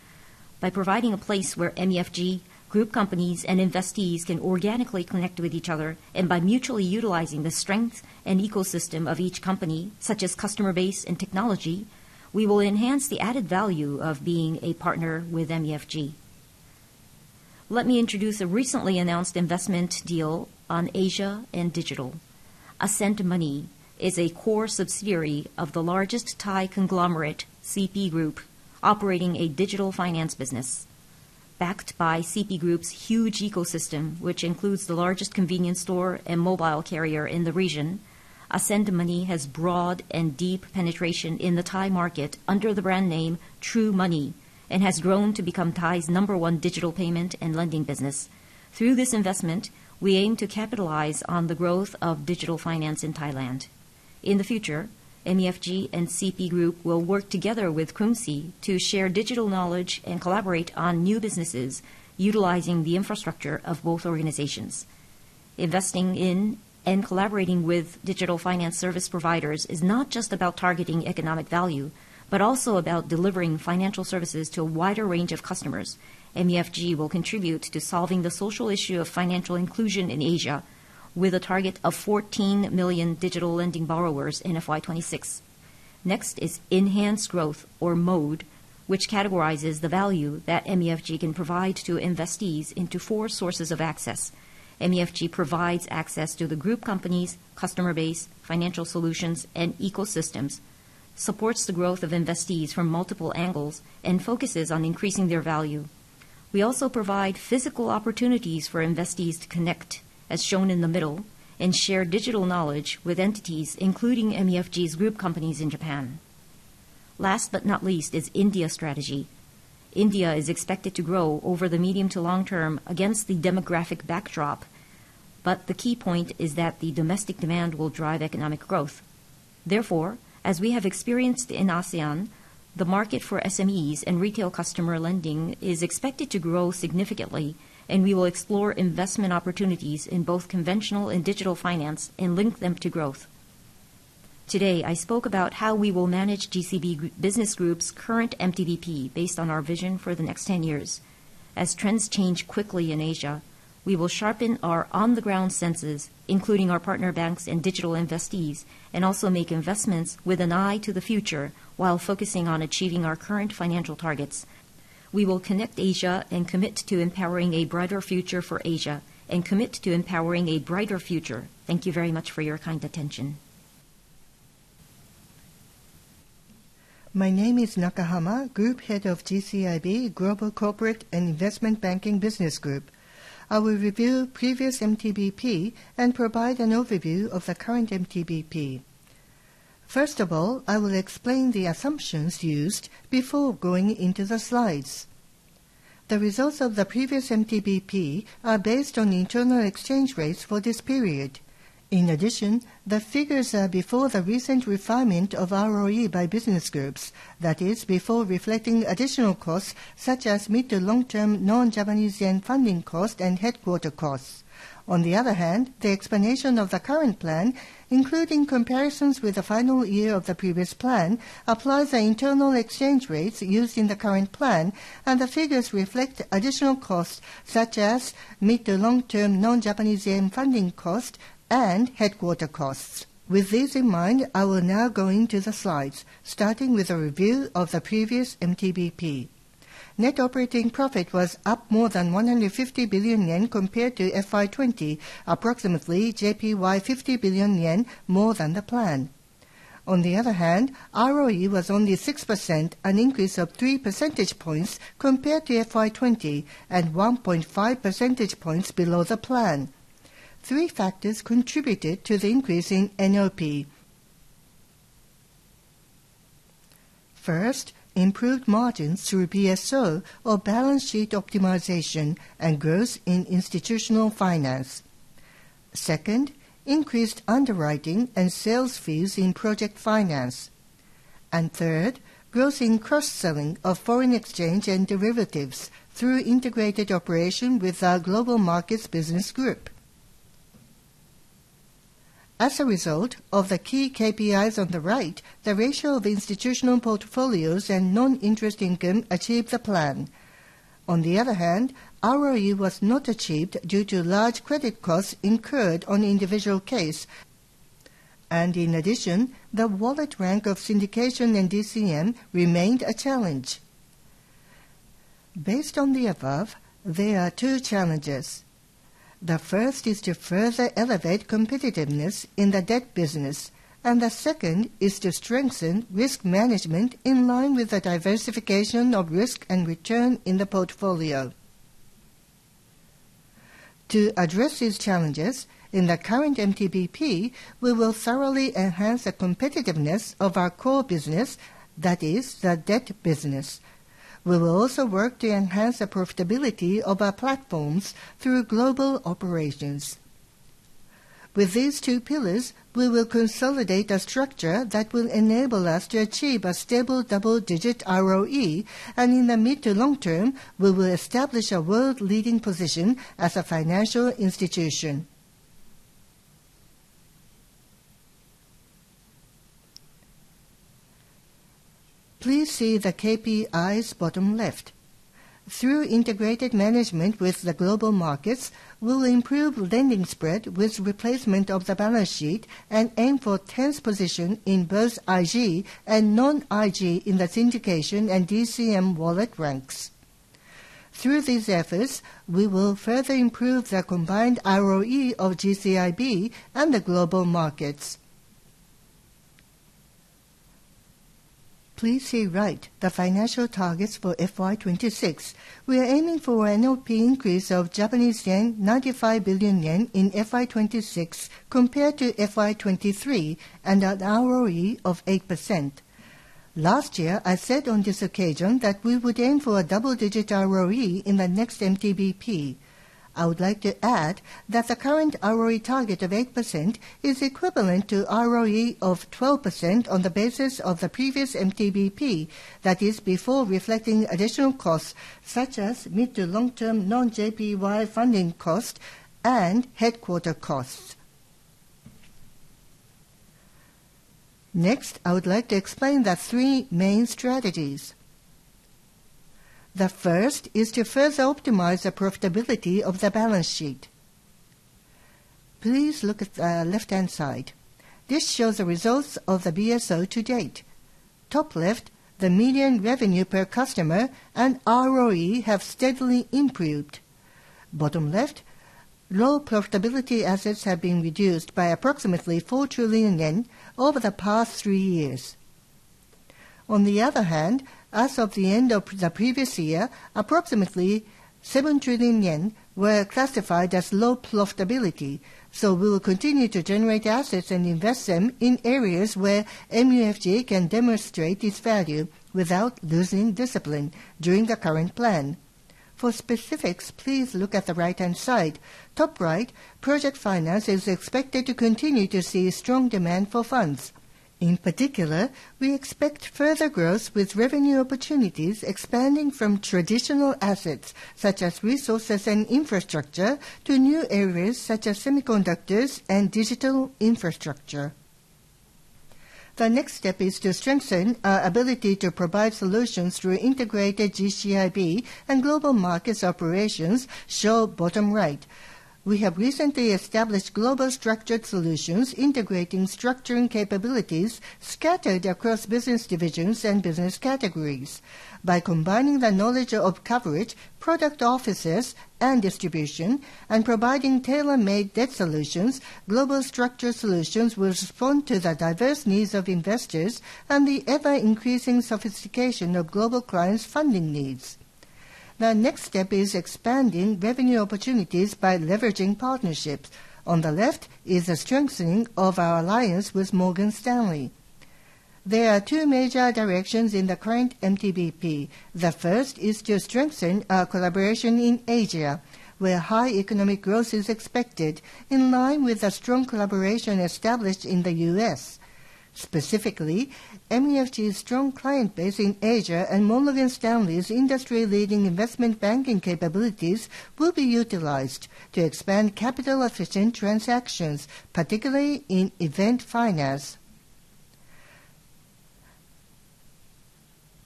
By providing a place where MUFG, group companies, and investees can organically connect with each other, and by mutually utilizing the strength and ecosystem of each company, such as customer base and technology, we will enhance the added value of being a partner with MUFG. Let me introduce a recently announced investment deal on Asia and digital. Ascend Money is a core subsidiary of the largest Thai conglomerate, CP Group, operating a digital finance business. Backed by CP Group's huge ecosystem, which includes the largest convenience store and mobile carrier in the region, Ascend Money has broad and deep penetration in the Thai market under the brand name TrueMoney, and has grown to become Thailand's number one digital payment and lending business. Through this investment, we aim to capitalize on the growth of digital finance in Thailand. In the future, MUFG and CP Group will work together with Krungsri to share digital knowledge and collaborate on new businesses utilizing the infrastructure of both organizations.... Investing in and collaborating with digital finance service providers is not just about targeting economic value, but also about delivering financial services to a wider range of customers. MUFG will contribute to solving the social issue of financial inclusion in Asia, with a target of 14 million digital lending borrowers in FY 2026. Next is enhanced growth or mode, which categorizes the value that MUFG can provide to investees into four sources of access. MUFG provides access to the group companies, customer base, financial solutions, and ecosystems, supports the growth of investees from multiple angles, and focuses on increasing their value. We also provide physical opportunities for investees to connect, as shown in the middle, and share digital knowledge with entities, including MUFG's group companies in Japan. Last but not least is India strategy. India is expected to grow over the medium to long term against the demographic backdrop, but the key point is that the domestic demand will drive economic growth. Therefore, as we have experienced in ASEAN, the market for SMEs and retail customer lending is expected to grow significantly, and we will explore investment opportunities in both conventional and digital finance and link them to growth. Today, I spoke about how we will manage GCB Business Group's current MTBP based on our vision for the next 10 years. As trends change quickly in Asia, we will sharpen our on-the-ground senses, including our partner banks and digital investees, and also make investments with an eye to the future while focusing on achieving our current financial targets. We will connect Asia and commit to empowering a brighter future for Asia and commit to empowering a brighter future. Thank you very much for your kind attention. My name is Nakahama, Group Head of GCIB, Global Corporate and Investment Banking Business Group. I will review previous MTBP and provide an overview of the current MTBP. First of all, I will explain the assumptions used before going into the slides. The results of the previous MTBP are based on internal exchange rates for this period. In addition, the figures are before the recent refinement of ROE by business groups, that is, before reflecting additional costs, such as mid-to-long-term non-Japanese yen funding cost and headquarters costs. On the other hand, the explanation of the current plan, including comparisons with the final year of the previous plan, applies the internal exchange rates used in the current plan, and the figures reflect additional costs, such as mid-to-long-term non-Japanese yen funding cost and headquarters costs. With these in mind, I will now go into the slides, starting with a review of the previous MTBP. Net operating profit was up more than 150 billion yen compared to FY 2020, approximately 50 billion yen more than the plan. On the other hand, ROE was only 6%, an increase of three percentage points compared to FY 2020 and 1.5 percentage points below the plan. Three factors contributed to the increase in NOP. First, improved margins through BSO, or balance sheet optimization, and growth in institutional finance. Second, increased underwriting and sales fees in project finance. And third, growth in cross-selling of foreign exchange and derivatives through integrated operation with our Global Markets Business Group. As a result of the key KPIs on the right, the ratio of institutional portfolios and non-interest income achieved the plan. On the other hand, ROE was not achieved due to large credit costs incurred on individual case. And in addition, the wallet share of syndication and DCM remained a challenge. Based on the above, there are two challenges. The first is to further elevate competitiveness in the debt business, and the second is to strengthen risk management in line with the diversification of risk and return in the portfolio. To address these challenges, in the current MTBP, we will thoroughly enhance the competitiveness of our core business, that is, the debt business. We will also work to enhance the profitability of our platforms through global operations. With these two pillars, we will consolidate a structure that will enable us to achieve a stable double-digit ROE, and in the mid to long term, we will establish a world-leading position as a financial institution. Please see the KPIs, bottom left. Through integrated management with the Global Markets, we'll improve lending spread with replacement of the balance sheet and aim for 10th position in both IG and non-IG in the syndication and DCM wallet ranks. Through these efforts, we will further improve the combined ROE of GCIB and the Global Markets. Please see right, the financial targets for FY 2026. We are aiming for an NOP increase of 95 billion yen in FY 2026 compared to FY 2023, and an ROE of 8%. Last year, I said on this occasion that we would aim for a double-digit ROE in the next MTBP. I would like to add that the current ROE target of 8% is equivalent to ROE of 12% on the basis of the previous MTBP, that is, before reflecting additional costs, such as mid-to-long-term non-JPY funding costs and headquarters costs. Next, I would like to explain the three main strategies. The first is to further optimize the profitability of the balance sheet. Please look at the left-hand side. This shows the results of the BSO to date. Top left, the median revenue per customer and ROE have steadily improved. Bottom left, low profitability assets have been reduced by approximately 4 trillion yen over the past three years. On the other hand, as of the end of the previous year, approximately 7 trillion yen were classified as low profitability. So we will continue to generate assets and invest them in areas where MUFG can demonstrate its value without losing discipline during the current plan. For specifics, please look at the right-hand side. Top right, project finance is expected to continue to see strong demand for funds. In particular, we expect further growth with revenue opportunities expanding from traditional assets, such as resources and infrastructure, to new areas such as semiconductors and digital infrastructure. The next step is to strengthen our ability to provide solutions through integrated GCIB and Global Markets operations, shown bottom right. We have recently established Global Structured Solutions, integrating structuring capabilities scattered across business divisions and business categories. By combining the knowledge of coverage, product offices, and distribution, and providing tailor-made debt solutions, Global Structured Solutions will respond to the diverse needs of investors and the ever-increasing sophistication of global clients' funding needs. The next step is expanding revenue opportunities by leveraging partnerships. On the left is a strengthening of our alliance with Morgan Stanley. There are two major directions in the current MTBP. The first is to strengthen our collaboration in Asia, where high economic growth is expected, in line with the strong collaboration established in the U.S. Specifically, MUFG's strong client base in Asia and Morgan Stanley's industry-leading investment banking capabilities will be utilized to expand capital-efficient transactions, particularly in event finance.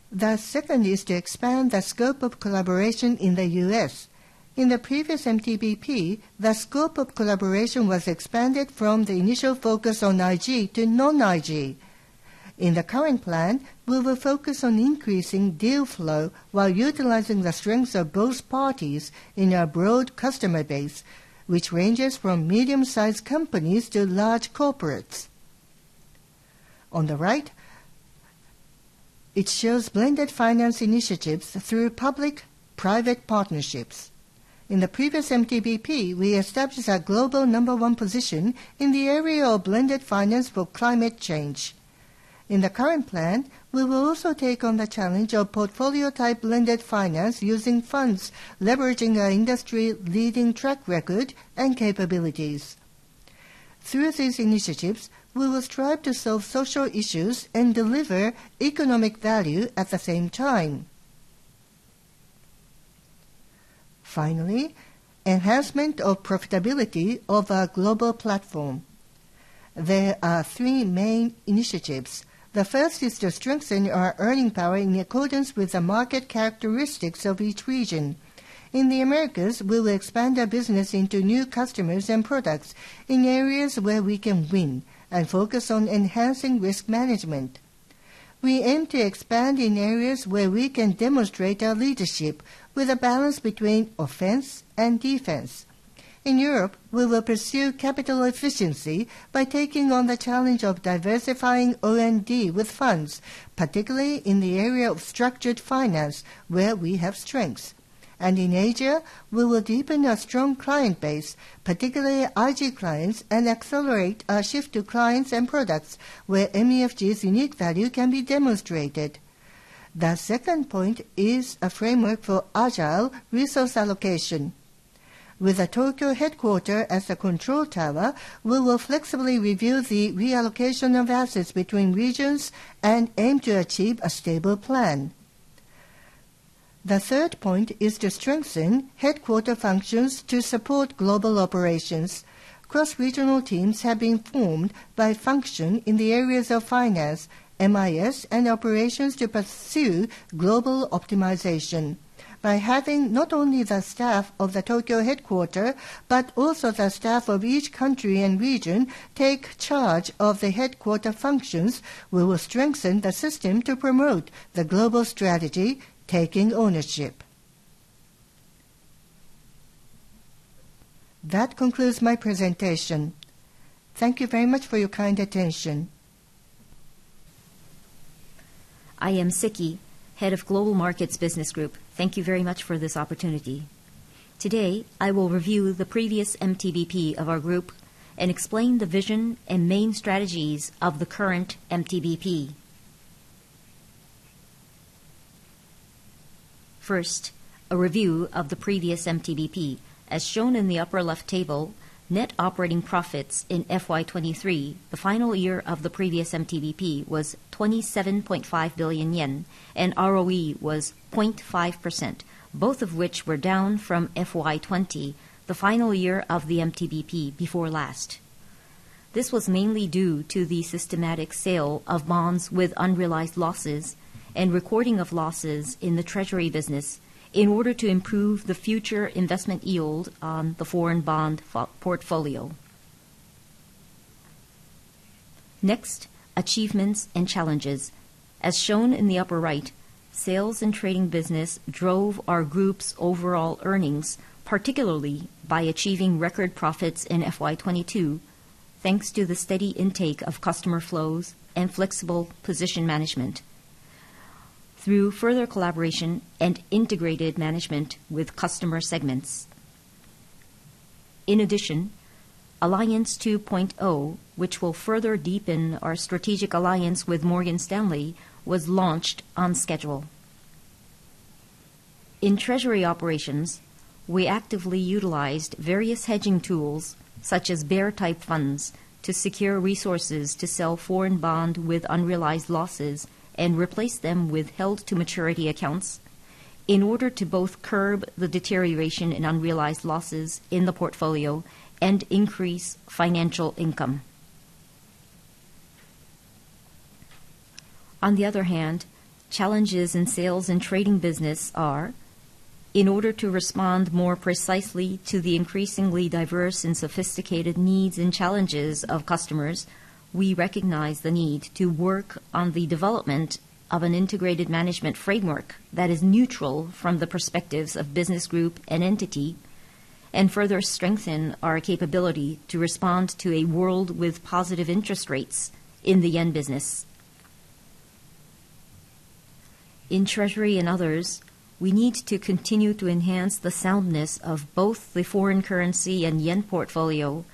The second is to expand the scope of collaboration in the U.S. In the previous MTBP, the scope of collaboration was expanded from the initial focus on IG to non-IG. In the current plan, we will focus on increasing deal flow while utilizing the strengths of both parties in our broad customer base, which ranges from medium-sized companies to large corporates. On the right, it shows blended finance initiatives through public-private partnerships. In the previous MTBP, we established a global number one position in the area of blended finance for climate change. In the current plan, we will also take on the challenge of portfolio-type blended finance using funds, leveraging our industry-leading track record and capabilities. Through these initiatives, we will strive to solve social issues and deliver economic value at the same time. Finally, enhancement of profitability of our global platform. There are three main initiatives. The first is to strengthen our earning power in accordance with the market characteristics of each region. In the Americas, we will expand our business into new customers and products in areas where we can win and focus on enhancing risk management. We aim to expand in areas where we can demonstrate our leadership with a balance between offense and defense. In Europe, we will pursue capital efficiency by taking on the challenge of diversifying O&D with funds, particularly in the area of structured finance, where we have strengths. And in Asia, we will deepen our strong client base, particularly IG clients, and accelerate our shift to clients and products where MUFG's unique value can be demonstrated. The second point is a framework for agile resource allocation. With the Tokyo headquarters as the control tower, we will flexibly review the reallocation of assets between regions and aim to achieve a stable plan. The third point is to strengthen headquarters functions to support global operations. Cross-regional teams have been formed by function in the areas of finance, MIS, and operations to pursue global optimization. By having not only the staff of the Tokyo headquarters, but also the staff of each country and region take charge of the headquarters functions, we will strengthen the system to promote the global strategy, taking ownership. That concludes my presentation. Thank you very much for your kind attention. I am Seki, Head of Global Markets Business Group. Thank you very much for this opportunity. Today, I will review the previous MTBP of our group and explain the vision and main strategies of the current MTBP. First, a review of the previous MTBP. As shown in the upper left table, net operating profits in FY 2023, the final year of the previous MTBP, was 27.5 billion yen, and ROE was 0.5%, both of which were down from FY 2020, the final year of the MTBP before last... This was mainly due to the systematic sale of bonds with unrealized losses and recording of losses in the Treasury business in order to improve the future investment yield on the foreign bond portfolio. Next, achievements and challenges. As shown in the upper right, Sales and Trading business drove our group's overall earnings, particularly by achieving record profits in FY 2022, thanks to the steady intake of customer flows and flexible position management through further collaboration and integrated management with customer segments. In addition, Alliance 2.0, which will further deepen our strategic alliance with Morgan Stanley, was launched on schedule. In Treasury operations, we actively utilized various hedging tools such as bear type funds, to secure resources to sell foreign bond with unrealized losses and replace them with held to maturity accounts, in order to both curb the deterioration in unrealized losses in the portfolio and increase financial income. On the other hand, challenges in Sales and Trading business are: In order to respond more precisely to the increasingly diverse and sophisticated needs and challenges of customers, we recognize the need to work on the development of an integrated management framework that is neutral from the perspectives of business group and entity, and further strengthen our capability to respond to a world with positive interest rates in the yen business. In Treasury and others, we need to continue to enhance the soundness of both the foreign currency and yen portfolio,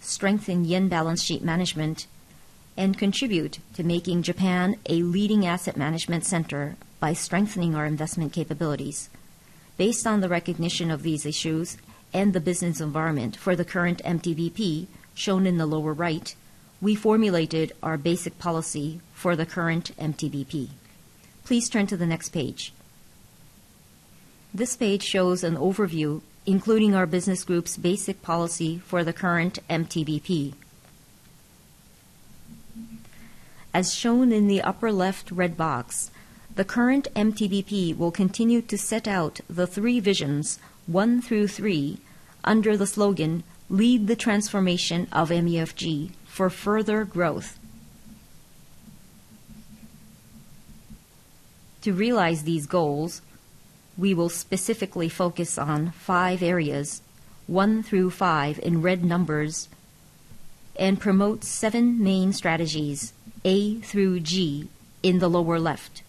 strengthen yen balance sheet management, and contribute to making Japan a leading asset management center by strengthening our investment capabilities. Based on the recognition of these issues and the business environment for the current MTBP, shown in the lower right, we formulated our basic policy for the current MTBP. Please turn to the next page. This page shows an overview, including our business group's basic policy for the current MTBP. As shown in the upper left red box, the current MTBP will continue to set out the three visions, one through three, under the slogan, "Lead the transformation of MUFG for further growth." To realize these goals, we will specifically focus on five areas, one through five in red numbers, and promote seven main strategies, A through G, in the lower left.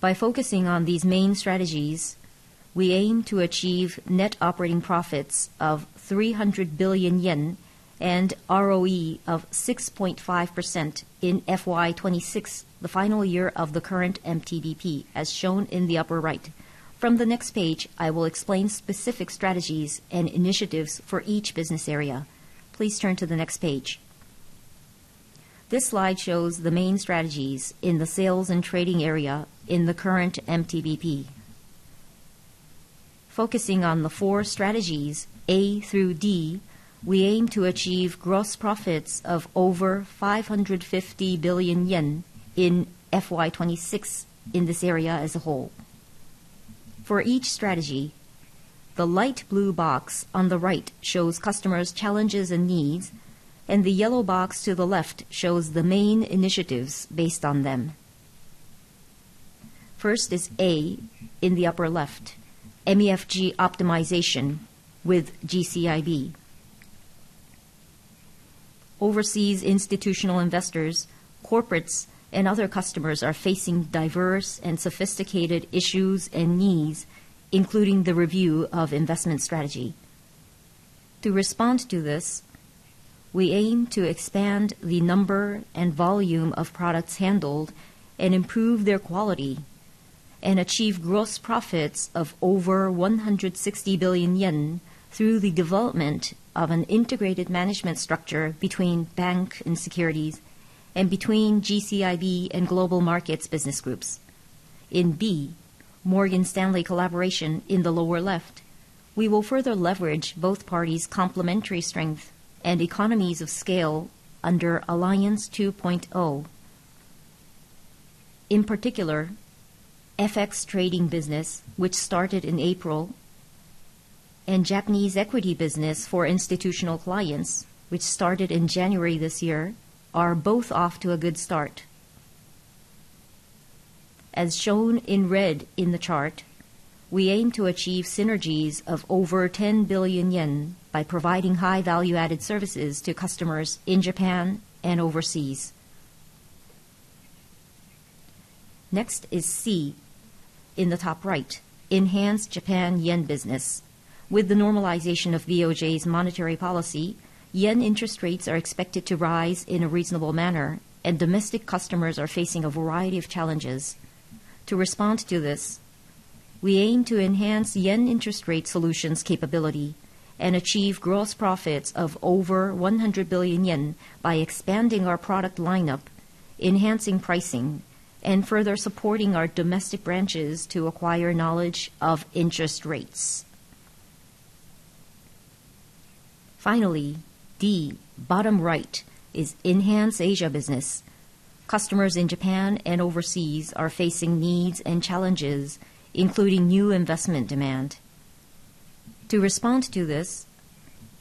By focusing on these main strategies, we aim to achieve net operating profits of 300 billion yen and ROE of 6.5% in FY 2026, the final year of the current MTBP, as shown in the upper right. From the next page, I will explain specific strategies and initiatives for each business area. Please turn to the next page. This slide shows the main strategies in the Sales and Trading area in the current MTBP. Focusing on the four strategies, A through D, we aim to achieve gross profits of over 550 billion yen in FY 2026 in this area as a whole. For each strategy, the light blue box on the right shows customers' challenges and needs, and the yellow box to the left shows the main initiatives based on them. First is A in the upper left, MUFG optimization with GCIB. Overseas institutional investors, corporates, and other customers are facing diverse and sophisticated issues and needs, including the review of investment strategy. To respond to this, we aim to expand the number and volume of products handled and improve their quality, and achieve gross profits of over 160 billion yen through the development of an integrated management structure between bank and securities and between GCIB and Global Markets business groups. In B, Morgan Stanley collaboration in the lower left, we will further leverage both parties' complementary strength and economies of scale under Alliance 2.0. In particular, FX trading business, which started in April, and Japanese equity business for institutional clients, which started in January this year, are both off to a good start. As shown in red in the chart, we aim to achieve synergies of over 10 billion yen by providing high-value-added services to customers in Japan and overseas. Next is C in the top right, enhanced Japanese yen business. With the normalization of BOJ's monetary policy, yen interest rates are expected to rise in a reasonable manner, and domestic customers are facing a variety of challenges. To respond to this, we aim to enhance yen interest rate solutions capability and achieve gross profits of over 100 billion yen by expanding our product lineup.... enhancing pricing, and further supporting our domestic branches to acquire knowledge of interest rates. Finally, D, bottom right, is enhance Asia business. Customers in Japan and overseas are facing needs and challenges, including new investment demand. To respond to this,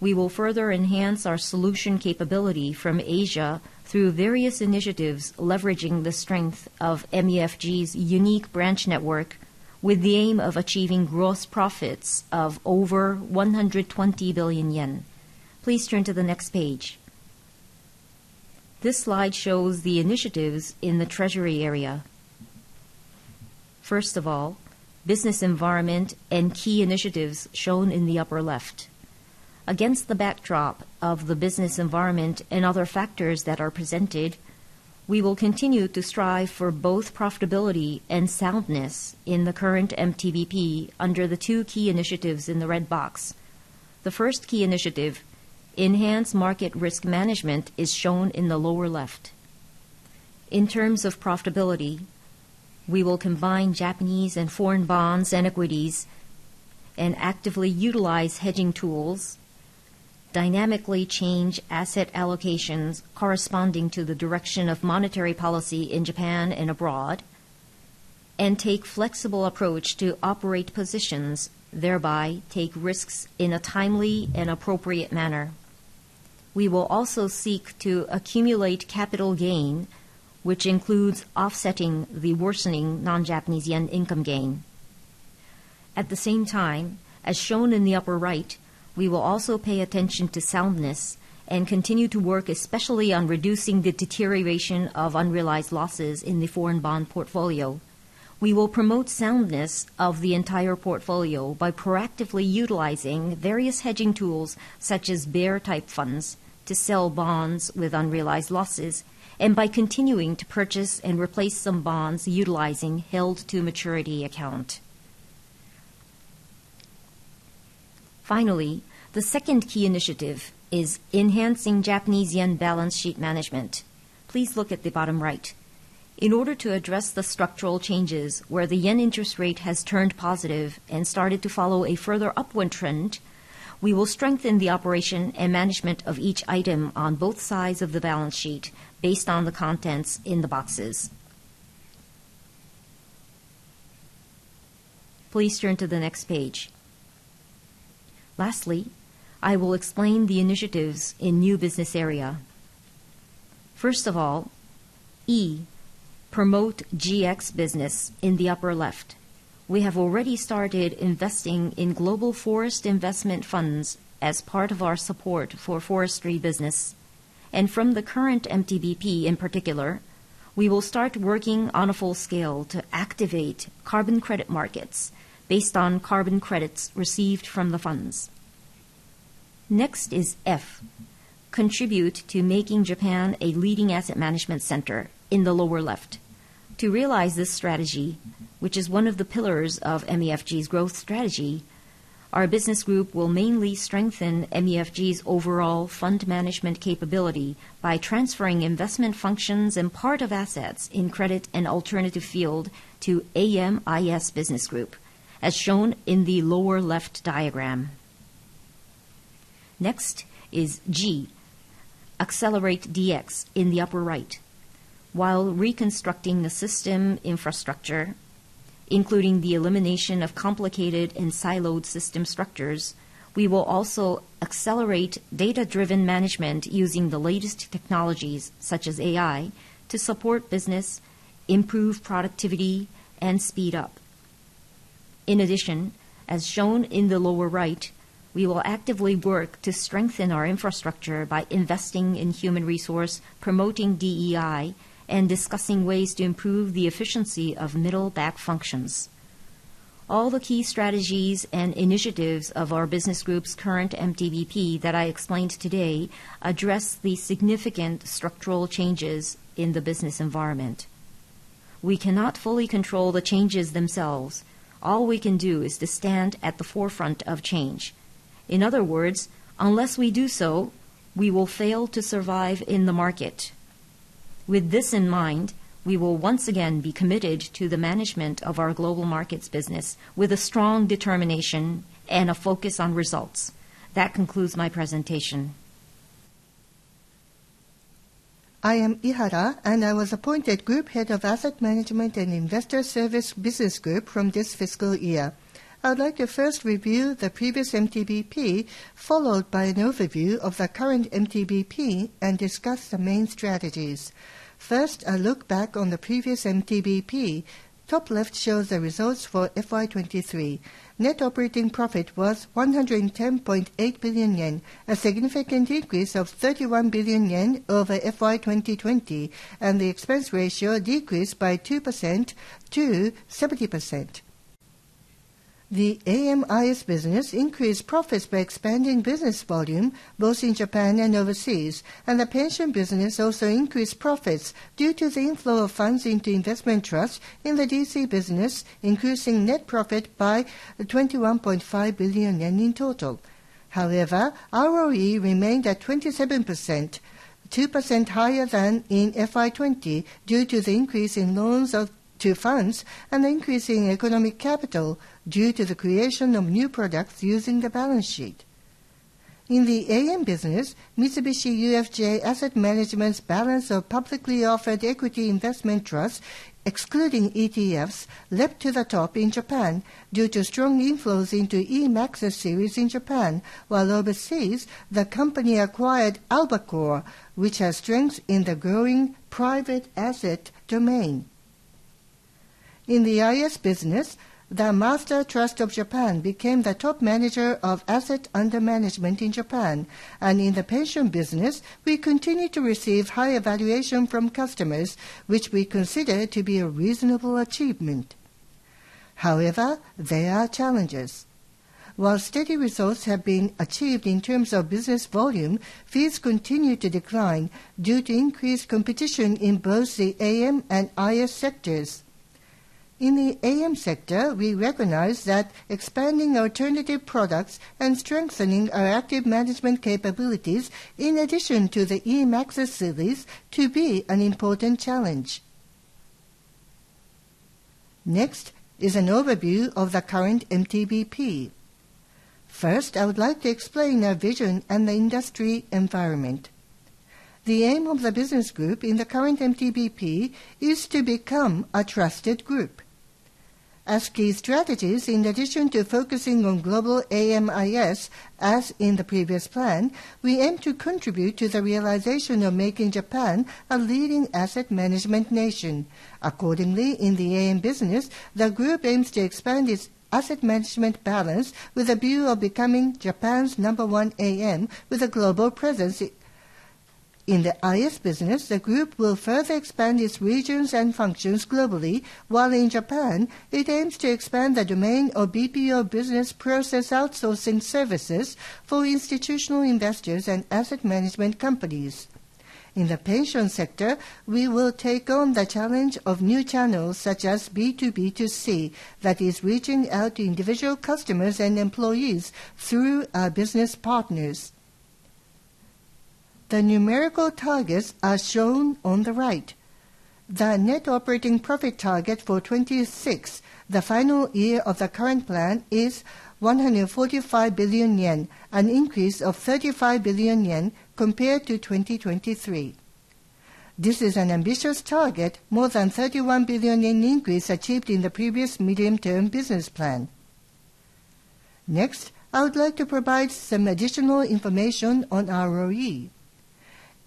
we will further enhance our solution capability from Asia through various initiatives, leveraging the strength of MUFG's unique branch network, with the aim of achieving gross profits of over 120 billion yen. Please turn to the next page. This slide shows the initiatives in the Treasury area. First of all, business environment and key initiatives shown in the upper left. Against the backdrop of the business environment and other factors that are presented, we will continue to strive for both profitability and soundness in the current MTBP under the two key initiatives in the red box. The first key initiative, enhance market risk management, is shown in the lower left. In terms of profitability, we will combine Japanese and foreign bonds and equities, and actively utilize hedging tools, dynamically change asset allocations corresponding to the direction of monetary policy in Japan and abroad, and take flexible approach to operate positions, thereby take risks in a timely and appropriate manner. We will also seek to accumulate capital gain, which includes offsetting the worsening non-Japanese yen income gain. At the same time, as shown in the upper right, we will also pay attention to soundness and continue to work, especially on reducing the deterioration of unrealized losses in the foreign bond portfolio. We will promote soundness of the entire portfolio by proactively utilizing various hedging tools, such as bear type funds, to sell bonds with unrealized losses, and by continuing to purchase and replace some bonds utilizing held to maturity account. Finally, the second key initiative is enhancing Japanese yen balance sheet management. Please look at the bottom right. In order to address the structural changes where the yen interest rate has turned positive and started to follow a further upward trend, we will strengthen the operation and management of each item on both sides of the balance sheet based on the contents in the boxes. Please turn to the next page. Lastly, I will explain the initiatives in new business area. First of all, E, promote GX business in the upper left. We have already started investing in global forest investment funds as part of our support for forestry business, and from the current MTBP in particular, we will start working on a full scale to activate carbon credit markets based on carbon credits received from the funds. Next is F, contribute to making Japan a leading asset management center in the lower left. To realize this strategy, which is one of the pillars of MUFG's growth strategy, our business group will mainly strengthen MUFG's overall fund management capability by transferring investment functions and part of assets in credit and alternative field to AMIS Business Group, as shown in the lower left diagram. Next is G, accelerate DX in the upper right. While reconstructing the system infrastructure, including the elimination of complicated and siloed system structures, we will also accelerate data-driven management using the latest technologies, such as AI, to support business, improve productivity, and speed up. In addition, as shown in the lower right, we will actively work to strengthen our infrastructure by investing in human resource, promoting DEI, and discussing ways to improve the efficiency of middle back functions. All the key strategies and initiatives of our business group's current MTBP that I explained today address the significant structural changes in the business environment. We cannot fully control the changes themselves. All we can do is to stand at the forefront of change. In other words, unless we do so, we will fail to survive in the market. With this in mind, we will once again be committed to the management of our Global Markets business with a strong determination and a focus on results. That concludes my presentation. I am Ihara, and I was appointed Group Head of Asset Management and Investor Services Business Group from this fiscal year. I'd like to first review the previous MTBP, followed by an overview of the current MTBP and discuss the main strategies. First, a look back on the previous MTBP. Top left shows the results for FY 2023. Net operating profit was 110.8 billion yen, a significant increase of 31 billion yen over FY 2020, and the expense ratio decreased by 2% to 70%. The AMIS business increased profits by expanding business volume, both in Japan and overseas, and the pension business also increased profits due to the inflow of funds into investment trust in the DC business, increasing net profit by 21.5 billion yen in total. However, ROE remained at 27%, 2% higher than in FY 2020, due to the increase in loans to funds and increase in economic capital due to the creation of new products using the balance sheet. In the AM business, Mitsubishi UFJ Asset Management's balance of publicly offered equity investment trust, excluding ETFs, leapt to the top in Japan due to strong inflows into eMAXIS Series in Japan, while overseas, the company acquired AlbaCore, which has strengths in the growing private asset domain. In the IS business, The Master Trust Bank of Japan became the top manager of assets under management in Japan, and in the pension business, we continue to receive high evaluation from customers, which we consider to be a reasonable achievement. However, there are challenges. While steady results have been achieved in terms of business volume, fees continue to decline due to increased competition in both the AM and IS sectors. In the AM sector, we recognize that expanding alternative products and strengthening our active management capabilities, in addition to the eMAXIS Series, to be an important challenge. Next is an overview of the current MTBP. First, I would like to explain our vision and the industry environment. The aim of the business group in the current MTBP is to become a trusted group. As key strategies, in addition to focusing on Global AMIS, as in the previous plan, we aim to contribute to the realization of making Japan a leading asset management nation. Accordingly, in the AM business, the group aims to expand its asset management balance with a view of becoming Japan's number one AM with a global presence. In the IS business, the group will further expand its regions and functions globally, while in Japan, it aims to expand the domain of BPO business process outsourcing services for institutional investors and asset management companies. In the pension sector, we will take on the challenge of new channels, such as B2B2C, that is, reaching out to individual customers and employees through our business partners. The numerical targets are shown on the right. The net operating profit target for 2026, the final year of the current plan, is 145 billion yen, an increase of 35 billion yen compared to 2023. This is an ambitious target, more than 31 billion increase achieved in the previous Medium-term Business Plan. Next, I would like to provide some additional information on ROE.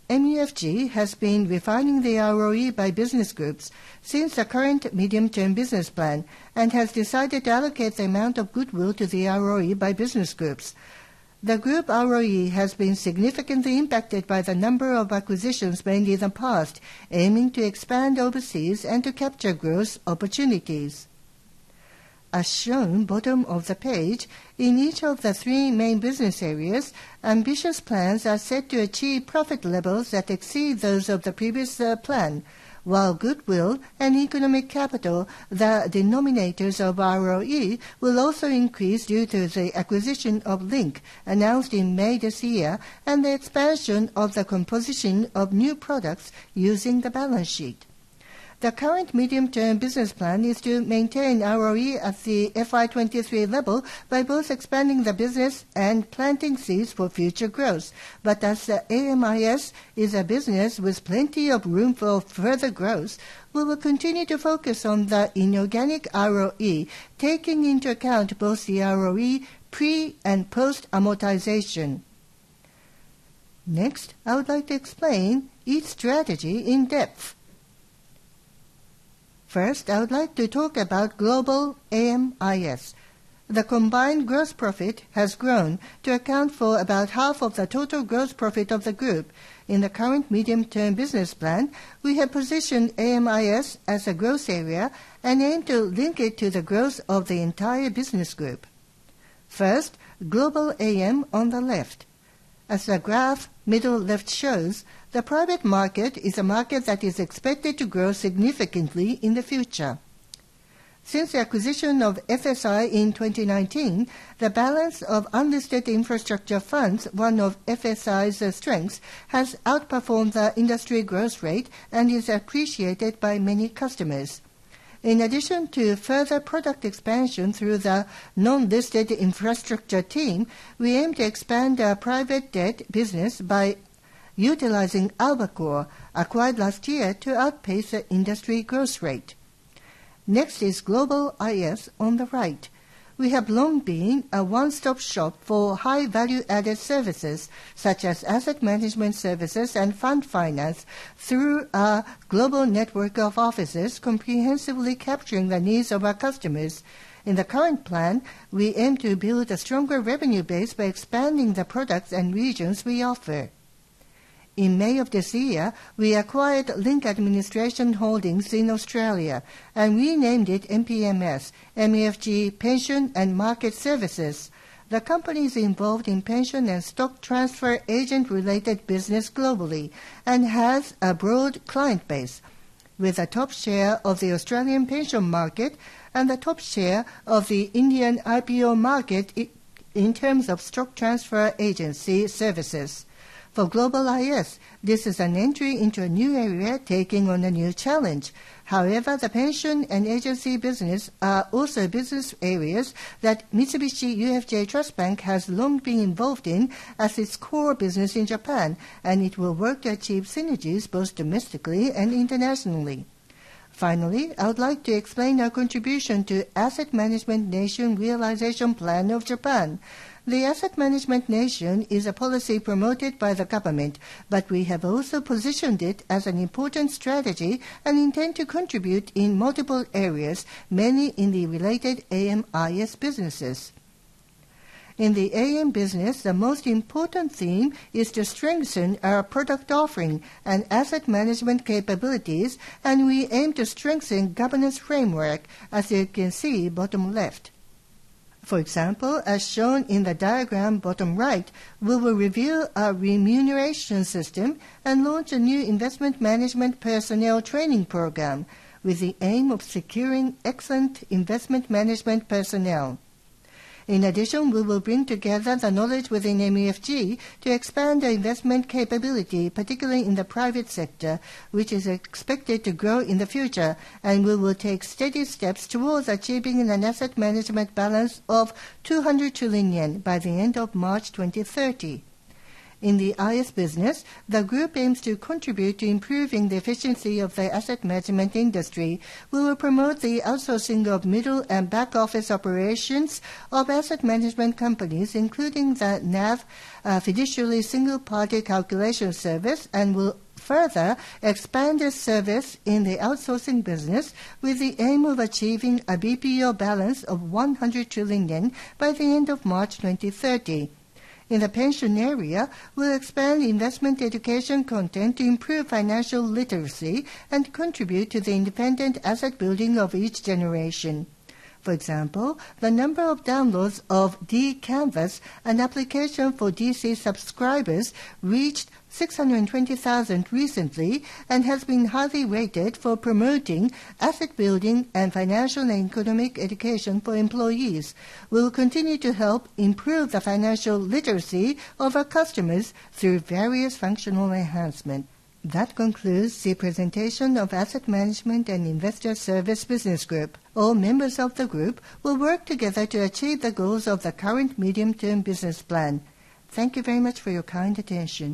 MUFG has been refining the ROE by business groups since the current Medium-term Business Plan and has decided to allocate the amount of goodwill to the ROE by business groups. The group ROE has been significantly impacted by the number of acquisitions made in the past, aiming to expand overseas and to capture growth opportunities. As shown, bottom of the page, in each of the three main business areas, ambitious plans are set to achieve profit levels that exceed those of the previous plan, while goodwill and economic capital, the denominators of ROE, will also increase due to the acquisition of Link, announced in May this year, and the expansion of the composition of new products using the balance sheet. The current Medium-term Business Plan is to maintain ROE at the FY 2023 level by both expanding the business and planting seeds for future growth. But as the AMIS is a business with plenty of room for further growth, we will continue to focus on the inorganic ROE, taking into account both the ROE pre- and post-amortization. Next, I would like to explain each strategy in depth. First, I would like to talk about Global AMIS. The combined gross profit has grown to account for about half of the total gross profit of the group. In the current Medium-term Business Plan, we have positioned AMIS as a growth area and aim to link it to the growth of the entire business group. First, Global AM on the left. As the graph, middle left shows, the private market is a market that is expected to grow significantly in the future. Since the acquisition of FSI in 2019, the balance of unlisted infrastructure funds, one of FSI's strengths, has outperformed the industry growth rate and is appreciated by many customers. In addition to further product expansion through the non-listed infrastructure team, we aim to expand our private debt business by utilizing AlbaCore, acquired last year, to outpace the industry growth rate. Next is Global IS on the right. We have long been a one-stop shop for high-value-added services, such as asset management services and fund finance, through our global network of offices, comprehensively capturing the needs of our customers. In the current plan, we aim to build a stronger revenue base by expanding the products and regions we offer. In May of this year, we acquired Link Administration Holdings in Australia, and renamed it MPMS, MUFG Pension & Market Services. The company is involved in pension and stock transfer agent-related business globally and has a broad client base with a top share of the Australian pension market and the top share of the Indian IPO market, in terms of stock transfer agency services. For Global IS, this is an entry into a new area, taking on a new challenge. However, the pension and agency business are also business areas that Mitsubishi UFJ Trust Bank has long been involved in as its core business in Japan, and it will work to achieve synergies both domestically and internationally. Finally, I would like to explain our contribution to Asset Management Nation Realization Plan of Japan. The Asset Management Nation is a policy promoted by the government, but we have also positioned it as an important strategy and intend to contribute in multiple areas, many in the related AMIS businesses. In the AM business, the most important theme is to strengthen our product offering and asset management capabilities, and we aim to strengthen governance framework, as you can see bottom left. For example, as shown in the diagram bottom right, we will review our remuneration system and launch a new investment management personnel training program, with the aim of securing excellent investment management personnel. In addition, we will bring together the knowledge within MUFG to expand the investment capability, particularly in the private sector, which is expected to grow in the future, and we will take steady steps towards achieving an asset management balance of 200 trillion yen by the end of March 2030. In the IS business, the group aims to contribute to improving the efficiency of the asset management industry. We will promote the outsourcing of middle and back-office operations of asset management companies, including the NAV, fiduciary single-party calculation service, and will further expand this service in the outsourcing business, with the aim of achieving a BPO balance of 100 trillion yen by the end of March 2030. In the pension area, we'll expand investment education content to improve financial literacy and contribute to the independent asset building of each generation. For example, the number of downloads of D-Canvas, an application for DC subscribers, reached 620,000 recently and has been highly rated for promoting asset building and financial and economic education for employees. We will continue to help improve the financial literacy of our customers through various functional enhancements. That concludes the presentation of Asset Management and Investor Services Business Group. All members of the group will work together to achieve the goals of the current Medium-term Business Plan. Thank you very much for your kind attention.